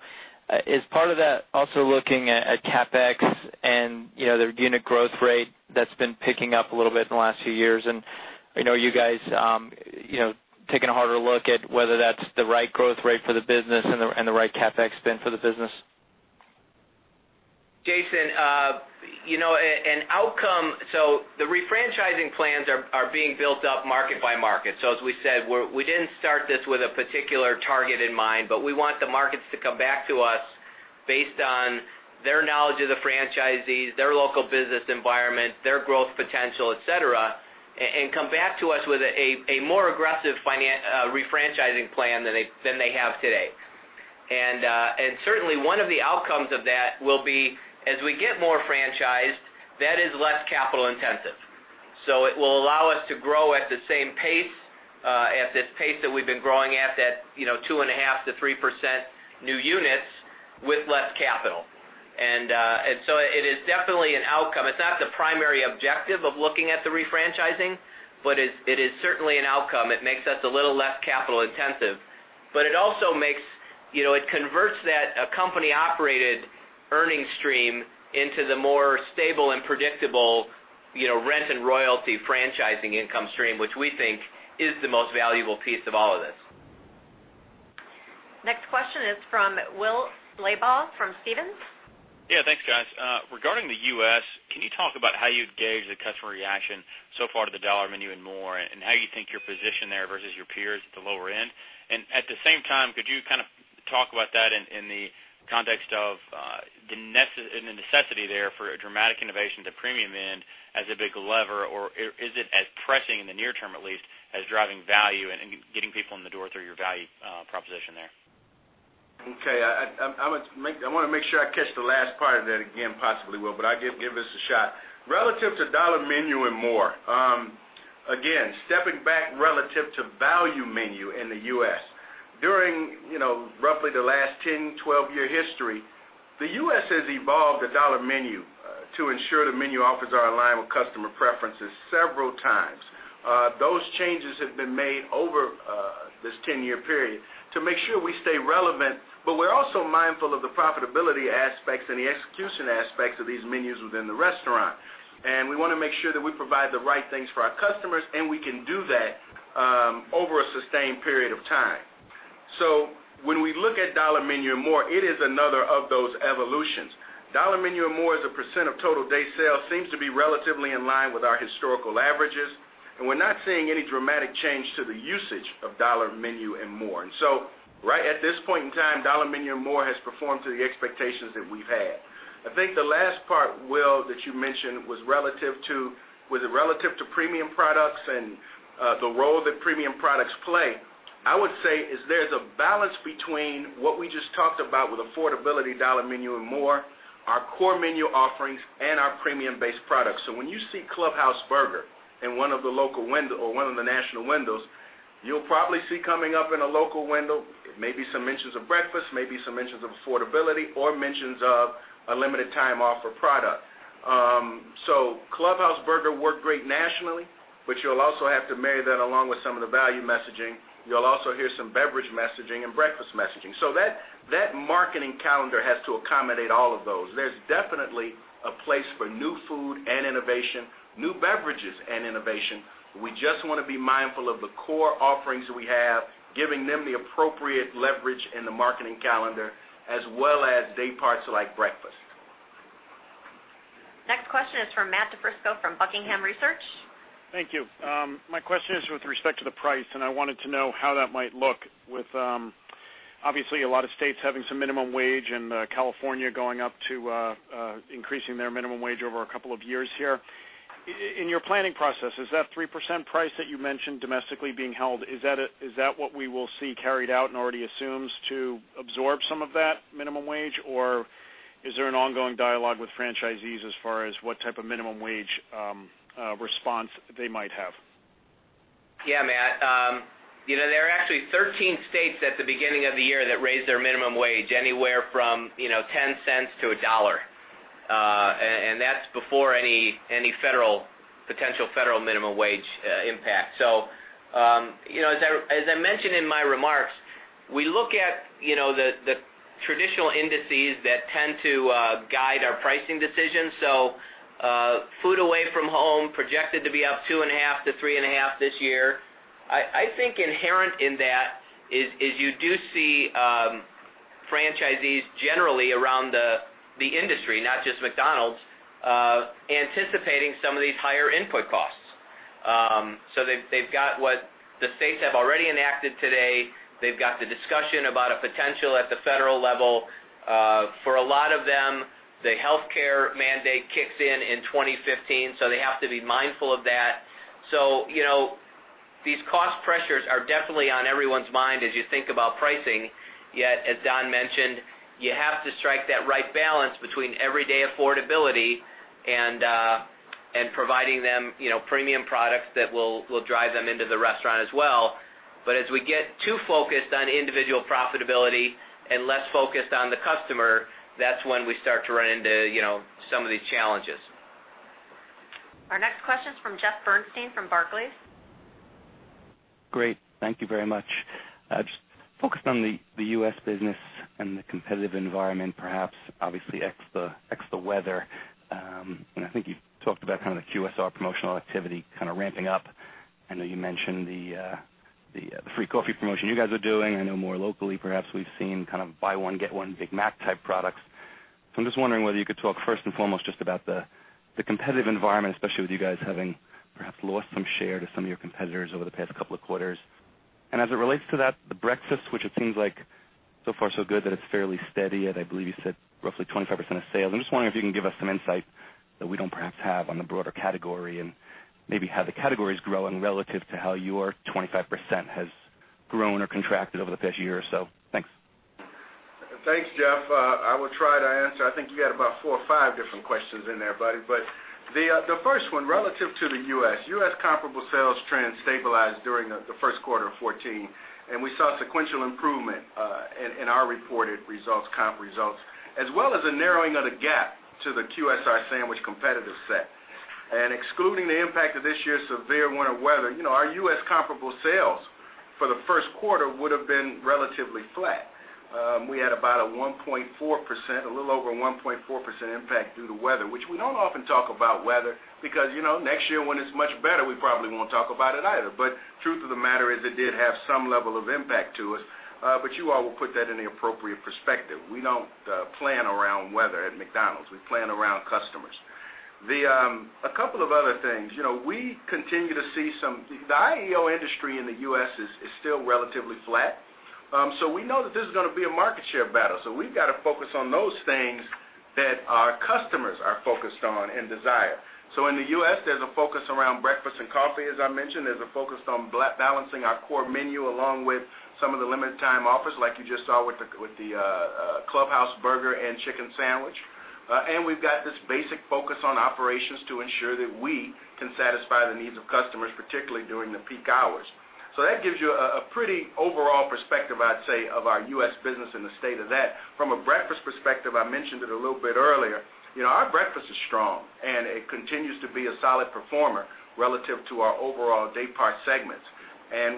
Speaker 11: Is part of that also looking at CapEx and the unit growth rate that's been picking up a little bit in the last few years? I know you guys taking a harder look at whether that's the right growth rate for the business and the right CapEx spend for the business.
Speaker 3: Jason, the refranchising plans are being built up market by market. As we said, we didn't start this with a particular target in mind. We want the markets to come back to us based on their knowledge of the franchisees, their local business environment, their growth potential, et cetera, and come back to us with a more aggressive refranchising plan than they have today. Certainly one of the outcomes of that will be as we get more franchised, that is less capital intensive. It will allow us to grow at the same pace, at this pace that we've been growing at, that 2.5%-3% new units with less capital. It is definitely an outcome. It's not the primary objective of looking at the refranchising, but it is certainly an outcome. It makes us a little less capital intensive. It converts that company-operated earning stream into the more stable and predictable rent and royalty franchising income stream, which we think is the most valuable piece of all of this.
Speaker 2: Next question is from Will Slabaugh from Stephens.
Speaker 12: Yeah, thanks guys. Regarding the U.S., can you talk about how you gauge the customer reaction so far to the Dollar Menu & More, and how you think your position there versus your peers at the lower end? At the same time, could you talk about that in the context of the necessity there for a dramatic innovation at the premium end as a big lever, or is it as pressing in the near term at least as driving value and getting people in the door through your value proposition there?
Speaker 3: Okay. I want to make sure I catch the last part of that again, possibly, Will, but I'll give this a shot. Relative to Dollar Menu & More. Again, stepping back relative to value menu in the U.S. During roughly the last 10, 12-year history, the U.S. has evolved a Dollar Menu to ensure the menu offers are aligned with customer preferences several times. Those changes have been made over this 10-year period to make sure we stay relevant, but we're also mindful of the profitability aspects and the execution aspects of these menus within the restaurant. We want to make sure that we provide the right things for our customers, and we can do that over a sustained period of time. When we look at Dollar Menu & More, it is another of those evolutions. Dollar Menu & More as a % of total day sales seems to be relatively in line with our historical averages, and we're not seeing any dramatic change to the usage of Dollar Menu & More. Right at this point in time, Dollar Menu & More has performed to the expectations that we've had. I think the last part, Will, that you mentioned was relative to premium products and the role that premium products play. I would say is there's a balance between what we just talked about with affordability, Dollar Menu & More, our core menu offerings, and our premium-based products. When you see Clubhouse Burger in one of the national windows, you'll probably see coming up in a local window, maybe some mentions of breakfast, maybe some mentions of affordability, or mentions of a limited time offer product. Clubhouse Burger worked great nationally, you'll also have to marry that along with some of the value messaging. You'll also hear some beverage messaging and breakfast messaging. That marketing calendar has to accommodate all of those. There's definitely a place for new food and innovation, new beverages and innovation. We just want to be mindful of the core offerings that we have, giving them the appropriate leverage in the marketing calendar as well as day parts like breakfast.
Speaker 2: Next question is from Matt DiFrisco from Buckingham Research.
Speaker 13: Thank you. My question is with respect to the price, I wanted to know how that might look with, obviously, a lot of states having some minimum wage and California increasing their minimum wage over a couple of years here. In your planning process, is that 3% price that you mentioned domestically being held, is that what we will see carried out and already assumes to absorb some of that minimum wage? Is there an ongoing dialogue with franchisees as far as what type of minimum wage response they might have?
Speaker 4: Yeah, Matt. There are actually 13 states at the beginning of the year that raised their minimum wage anywhere from $0.10 to $1.00. That's before any potential federal minimum wage impact. As I mentioned in my remarks, we look at the traditional indices that tend to guide our pricing decisions. food away from home projected to be up 2.5%-3.5% this year. I think inherent in that is you do see franchisees generally around the industry, not just McDonald's, anticipating some of these higher input costs. They've got what the states have already enacted today. They've got the discussion about a potential at the federal level. For a lot of them, the healthcare mandate kicks in in 2015, they have to be mindful of that. These cost pressures are definitely on everyone's mind as you think about pricing. Yet, as Don mentioned, you have to strike that right balance between everyday affordability and providing them premium products that will drive them into the restaurant as well. As we get too focused on individual profitability and less focused on the customer, that's when we start to run into some of these challenges.
Speaker 2: Our next question is from Jeffrey Bernstein from Barclays.
Speaker 14: Great. Thank you very much. Just focused on the U.S. business and the competitive environment, perhaps obviously ex the weather. I think you talked about the QSR promotional activity kind of ramping up. I know you mentioned the free coffee promotion you guys are doing. I know more locally perhaps we've seen kind of buy one, get one Big Mac type products. I'm just wondering whether you could talk first and foremost just about the competitive environment, especially with you guys having perhaps lost some share to some of your competitors over the past couple of quarters. As it relates to that, the breakfast, which it seems like so far so good, that it's fairly steady at, I believe you said roughly 25% of sales. I'm just wondering if you can give us some insight that we don't perhaps have on the broader category and maybe how the category's growing relative to how your 25% has grown or contracted over the past year or so. Thanks.
Speaker 3: Thanks, Jeff. I will try to answer. I think you got about four or five different questions in there, buddy. The first one, relative to the U.S. U.S. comparable sales trends stabilized during the first quarter of 2014, and we saw sequential improvement in our reported comp results, as well as a narrowing of the gap to the QSR sandwich competitive set. Excluding the impact of this year's severe winter weather, our U.S. comparable sales for the first quarter would have been relatively flat. We had a little over a 1.4% impact due to weather, which we don't often talk about weather because you know, next year when it's much better, we probably won't talk about it either. The truth of the matter is it did have some level of impact to us. You all will put that in the appropriate perspective. We don't plan around weather at McDonald's. We plan around customers. A couple of other things. We continue to see some. The IEO industry in the U.S. is still relatively flat. We know that this is going to be a market share battle. We've got to focus on those things that our customers are focused on and desire. In the U.S., there's a focus around breakfast and coffee, as I mentioned. There's a focus on balancing our core menu, along with some of the limited time offers like you just saw with the clubhouse burger and chicken sandwich. We've got this basic focus on operations to ensure that we can satisfy the needs of customers, particularly during the peak hours. That gives you a pretty overall perspective, I'd say, of our U.S. business and the state of that. From a breakfast perspective, I mentioned it a little bit earlier, our breakfast is strong, and it continues to be a solid performer relative to our overall day part segments.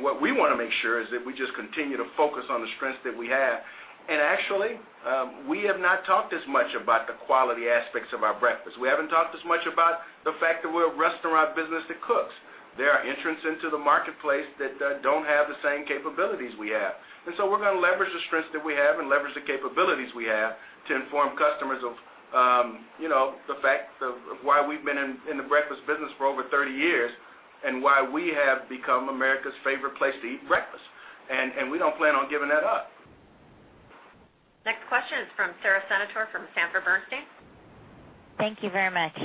Speaker 3: What we want to make sure is that we just continue to focus on the strengths that we have. Actually, we have not talked as much about the quality aspects of our breakfast. We haven't talked as much about the fact that we're a restaurant business that cooks. There are entrants into the marketplace that don't have the same capabilities we have. We're going to leverage the strengths that we have and leverage the capabilities we have to inform customers of the fact of why we've been in the breakfast business for over 30 years and why we have become America's favorite place to eat breakfast. We don't plan on giving that up.
Speaker 2: Next question is from Sara Senatore from Sanford Bernstein.
Speaker 15: Thank you very much.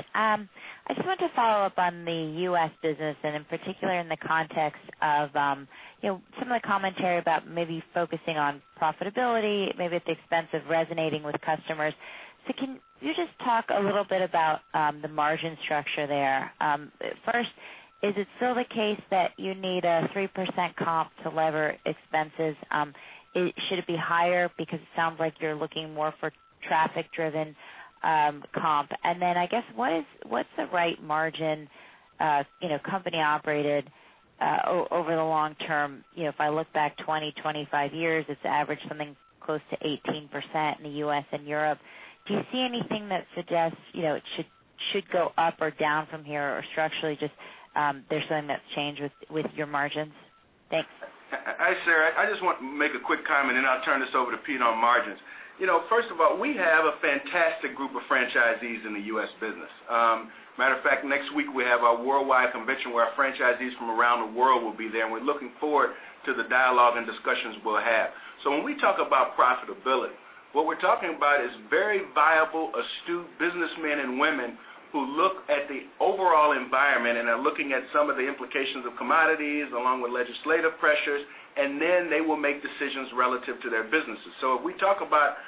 Speaker 15: I just wanted to follow up on the U.S. business and in particular in the context of some of the commentary about maybe focusing on profitability, maybe at the expense of resonating with customers. Can you just talk a little bit about the margin structure there? First, is it still the case that you need a 3% comp to lever expenses? Should it be higher because it sounds like you're looking more for traffic-driven comp. I guess, what's the right margin company operated over the long term? If I look back 20, 25 years, it's averaged something close to 18% in the U.S. and Europe. Do you see anything that suggests it should go up or down from here or structurally just there's something that's changed with your margins? Thanks.
Speaker 3: Hi, Sara. I just want to make a quick comment, I'll turn this over to Pete on margins. First of all, we have a fantastic group of franchisees in the U.S. business. Matter of fact, next week, we have our worldwide convention where our franchisees from around the world will be there, and we're looking forward to the dialogue and discussions we'll have. When we talk about profitability, what we're talking about is very viable, astute businessmen and women who look at the overall environment and are looking at some of the implications of commodities, along with legislative pressures, they will make decisions relative to their businesses. If we talk about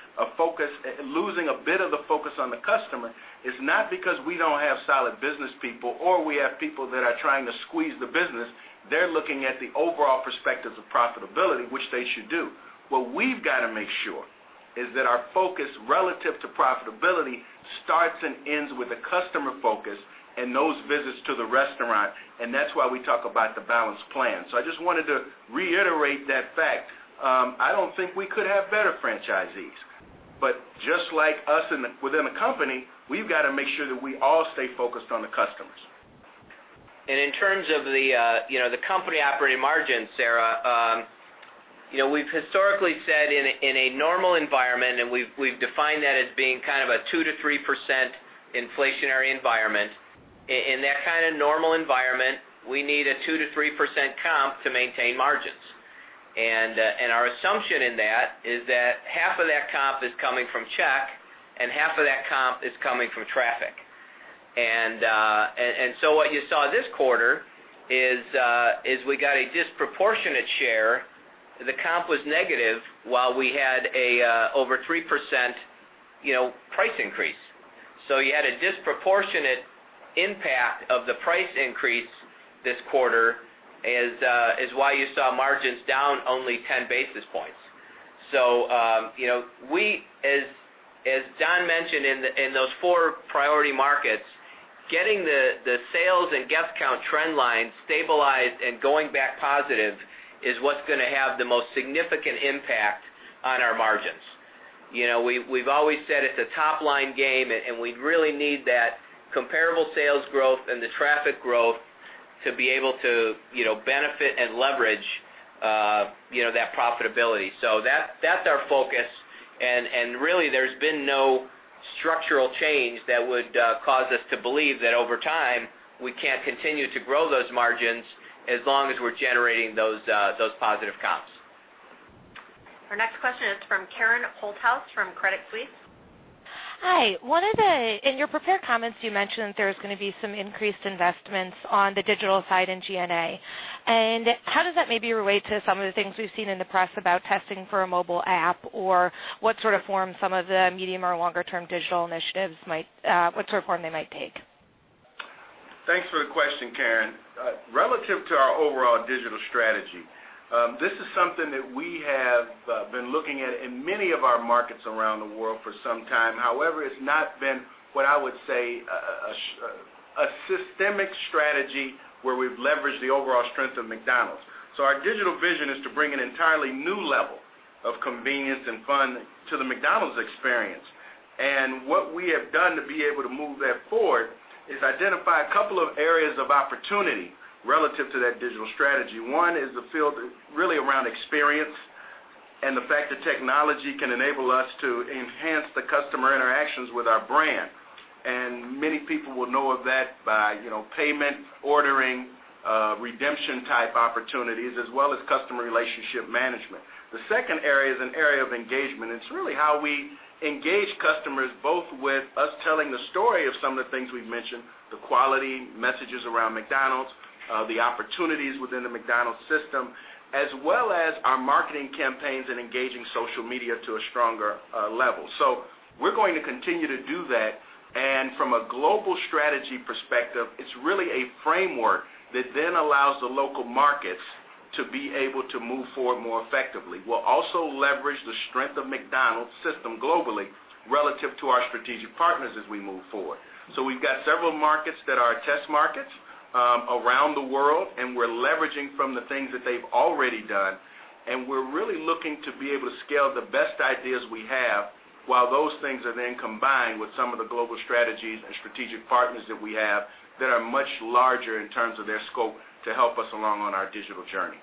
Speaker 3: losing a bit of the focus on the customer, it's not because we don't have solid business people, or we have people that are trying to squeeze the business. They're looking at the overall perspectives of profitability, which they should do. What we've got to make sure is that our focus relative to profitability starts and ends with a customer focus and those visits to the restaurant, that's why we talk about the balanced plan. I just wanted to reiterate that fact. I don't think we could have better franchisees, just like us within the company, we've got to make sure that we all stay focused on the customers.
Speaker 4: In terms of the company operating margin, Sara, we've historically said in a normal environment, we've defined that as being kind of a 2%-3% inflationary environment. In that kind of normal environment, we need a 2%-3% comp to maintain margins. Our assumption in that is that half of that comp is coming from check, half of that comp is coming from traffic. What you saw this quarter is we got a disproportionate share. The comp was negative while we had an over 3% price increase. You had a disproportionate impact of the price increase this quarter is why you saw margins down only 10 basis points. As Don mentioned in those four priority markets, getting the sales and guest count trend line stabilized and going back positive is what's going to have the most significant impact on our margins. We've always said it's a top-line game, we really need that comparable sales growth and the traffic growth to be able to benefit and leverage that profitability. That's our focus, really there's been no structural change that would cause us to believe that over time, we can't continue to grow those margins as long as we're generating those positive comps.
Speaker 2: Our next question is from Karen Holthouse from Credit Suisse.
Speaker 16: Hi. In your prepared comments, you mentioned there's going to be some increased investments on the digital side in G&A. How does that maybe relate to some of the things we've seen in the press about testing for a mobile app, or what sort of form some of the medium or longer-term digital initiatives might take?
Speaker 3: Thanks for the question, Karen. Relative to our overall digital strategy. This is something that we have been looking at in many of our markets around the world for some time. However, it's not been what I would say, a systemic strategy where we've leveraged the overall strength of McDonald's. Our digital vision is to bring an entirely new level of convenience and fun to the McDonald's experience. What we have done to be able to move that forward is identify a couple of areas of opportunity relative to that digital strategy. One is the field really around experience and the fact that technology can enable us to enhance the customer interactions with our brand. Many people will know of that by payment, ordering, redemption type opportunities, as well as customer relationship management. The second area is an area of engagement, it's really how we engage customers, both with us telling the story of some of the things we've mentioned, the quality messages around McDonald's, the opportunities within the McDonald's system, as well as our marketing campaigns and engaging social media to a stronger level. We're going to continue to do that, from a global strategy perspective, it's really a framework that then allows the local markets to be able to move forward more effectively. We'll also leverage the strength of McDonald's system globally relative to our strategic partners as we move forward. We've got several markets that are our test markets around the world, we're leveraging from the things that they've already done, we're really looking to be able to scale the best ideas we have, while those things are then combined with some of the global strategies and strategic partners that we have that are much larger in terms of their scope to help us along on our digital journey.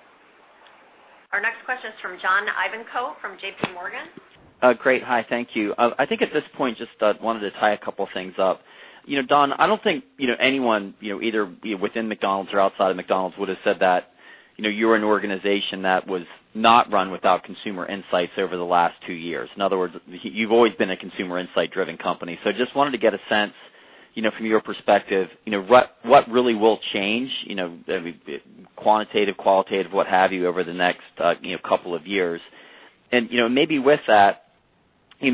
Speaker 2: Our next question is from John Ivankoe from JPMorgan.
Speaker 17: Great. Hi, thank you. I think at this point, just wanted to tie a couple things up. Don, I don't think anyone, either within McDonald's or outside of McDonald's, would have said that you're an organization that was not run without consumer insights over the last two years. In other words, you've always been a consumer insight driven company. I just wanted to get a sense, from your perspective, what really will change, quantitative, qualitative, what have you, over the next couple of years. Maybe with that, you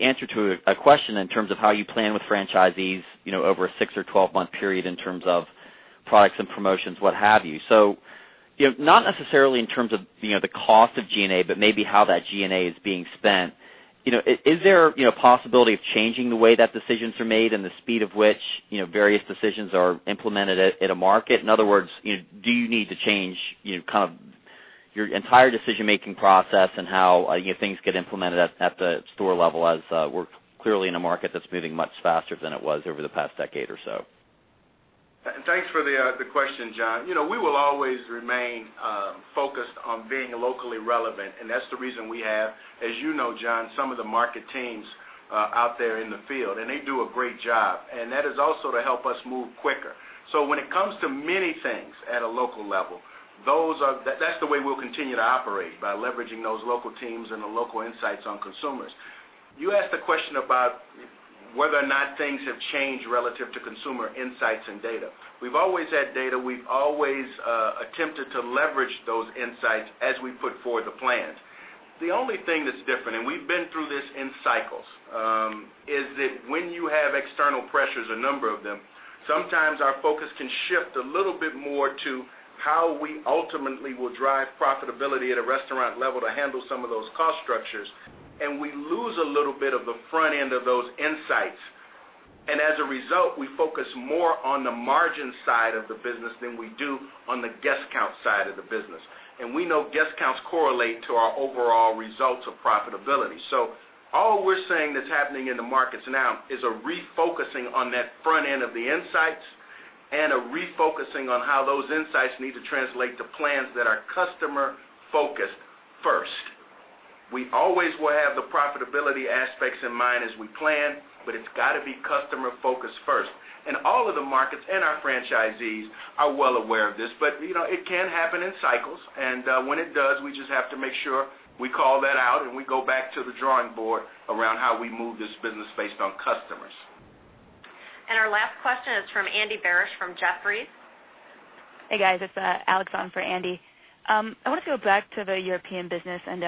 Speaker 17: answered to a question in terms of how you plan with franchisees over a six or 12 month period in terms of products and promotions, what have you. Not necessarily in terms of the cost of G&A, but maybe how that G&A is being spent. Is there possibility of changing the way that decisions are made and the speed of which various decisions are implemented at a market? In other words, do you need to change your entire decision-making process and how things get implemented at the store level as we're clearly in a market that's moving much faster than it was over the past decade or so?
Speaker 3: Thanks for the question, John. We will always remain focused on being locally relevant, That's the reason we have, as you know, John, some of the market teams out there in the field. They do a great job. That is also to help us move quicker. When it comes to many things at a local level, that's the way we'll continue to operate, by leveraging those local teams and the local insights on consumers. You asked the question about whether or not things have changed relative to consumer insights and data. We've always had data. We've always attempted to leverage those insights as we put forward the plans. The only thing that's different, We've been through this in cycles, is that when you have external pressures, a number of them, sometimes our focus can shift a little bit more to how we ultimately will drive profitability at a restaurant level to handle some of those cost structures. We lose a little bit of the front end of those insights. As a result, we focus more on the margin side of the business than we do on the guest count side of the business. We know guest counts correlate to our overall results of profitability. All we're saying that's happening in the markets now is a refocusing on that front end of the insights and a refocusing on how those insights need to translate to plans that are customer focused first. We always will have the profitability aspects in mind as we plan, but it's got to be customer focused first. All of the markets and our franchisees are well aware of this. It can happen in cycles, and when it does, we just have to make sure we call that out and we go back to the drawing board around how we move this business based on customers.
Speaker 2: Our last question is from Andy Barish from Jefferies.
Speaker 18: Hey, guys. It's Alex on for Andy. I want to go back to the European business and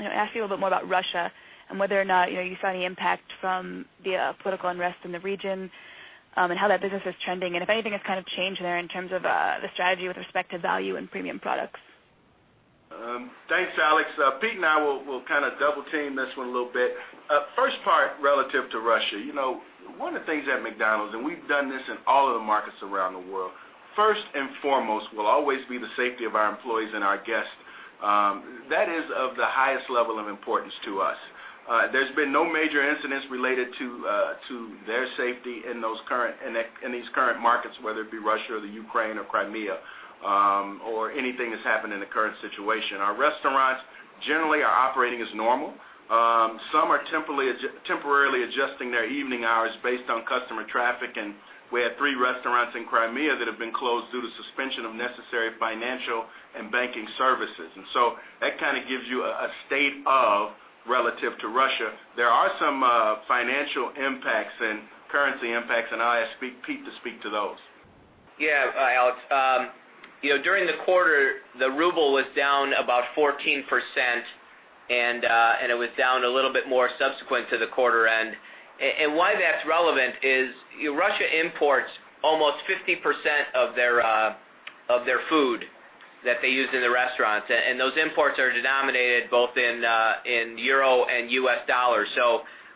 Speaker 18: ask you a little bit more about Russia and whether or not you saw any impact from the political unrest in the region and how that business is trending and if anything has kind of changed there in terms of the strategy with respect to value and premium products.
Speaker 3: Thanks, Alex. Pete and I will kind of double team this one a little bit. First part, relative to Russia. One of the things at McDonald's, and we've done this in all of the markets around the world, first and foremost will always be the safety of our employees and our guests. That is of the highest level of importance to us. There's been no major incidents related to their safety in these current markets, whether it be Russia or the Ukraine or Crimea or anything that's happened in the current situation. Our restaurants generally are operating as normal. Some are temporarily adjusting their evening hours based on customer traffic, and we have three restaurants in Crimea that have been closed due to suspension of necessary financial and banking services. So that kind of gives you a state of relative to Russia. There are some financial impacts and currency impacts, and I ask Pete to speak to those.
Speaker 4: Yeah, Alex. During the quarter, the ruble was down about 14%. It was down a little bit more subsequent to the quarter end. Why that's relevant is Russia imports almost 50% of their food that they use in the restaurants, and those imports are denominated both in EUR and US dollars.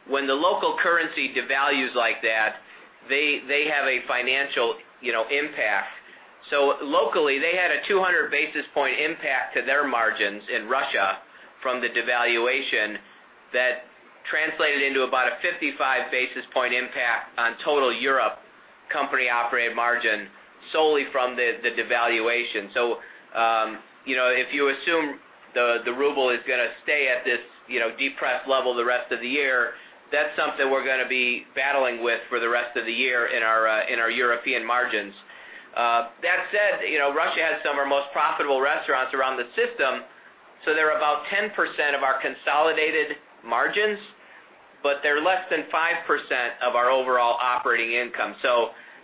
Speaker 4: When the local currency devalues like that, they have a financial impact. Locally, they had a 200 basis point impact to their margins in Russia from the devaluation that translated into about a 55 basis point impact on total Europe company-operated margin solely from the devaluation. If you assume the ruble is going to stay at this depressed level the rest of the year, that's something we're going to be battling with for the rest of the year in our European margins. That said, Russia has some of our most profitable restaurants around the system, they're about 10% of our consolidated margins, but they're less than 5% of our overall operating income.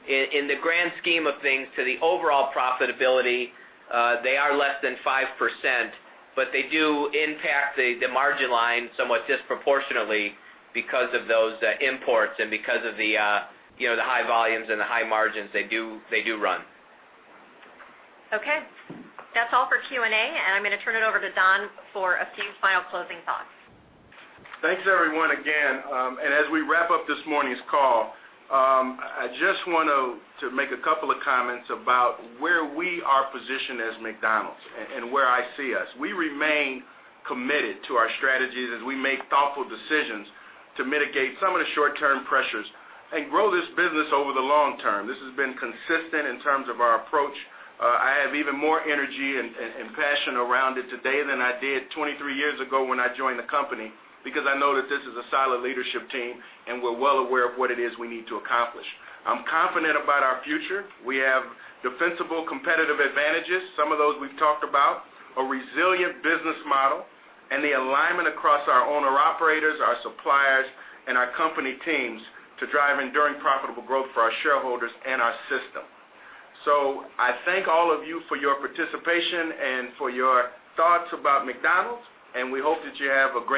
Speaker 4: In the grand scheme of things, to the overall profitability, they are less than 5%, but they do impact the margin line somewhat disproportionately because of those imports and because of the high volumes and the high margins they do run.
Speaker 2: Okay. That's all for Q&A, and I'm going to turn it over to Don for a few final closing thoughts.
Speaker 3: Thanks, everyone, again. As we wrap up this morning's call, I just want to make a couple of comments about where we are positioned as McDonald's and where I see us. We remain committed to our strategies as we make thoughtful decisions to mitigate some of the short-term pressures and grow this business over the long term. This has been consistent in terms of our approach. I have even more energy and passion around it today than I did 23 years ago when I joined the company because I know that this is a solid leadership team, and we're well aware of what it is we need to accomplish. I'm confident about our future. We have defensible competitive advantages, some of those we've talked about, a resilient business model, and the alignment across our owner-operators, our suppliers, and our company teams to drive enduring profitable growth for our shareholders and our system. I thank all of you for your participation and for your thoughts about McDonald's, and we hope that you have a great day.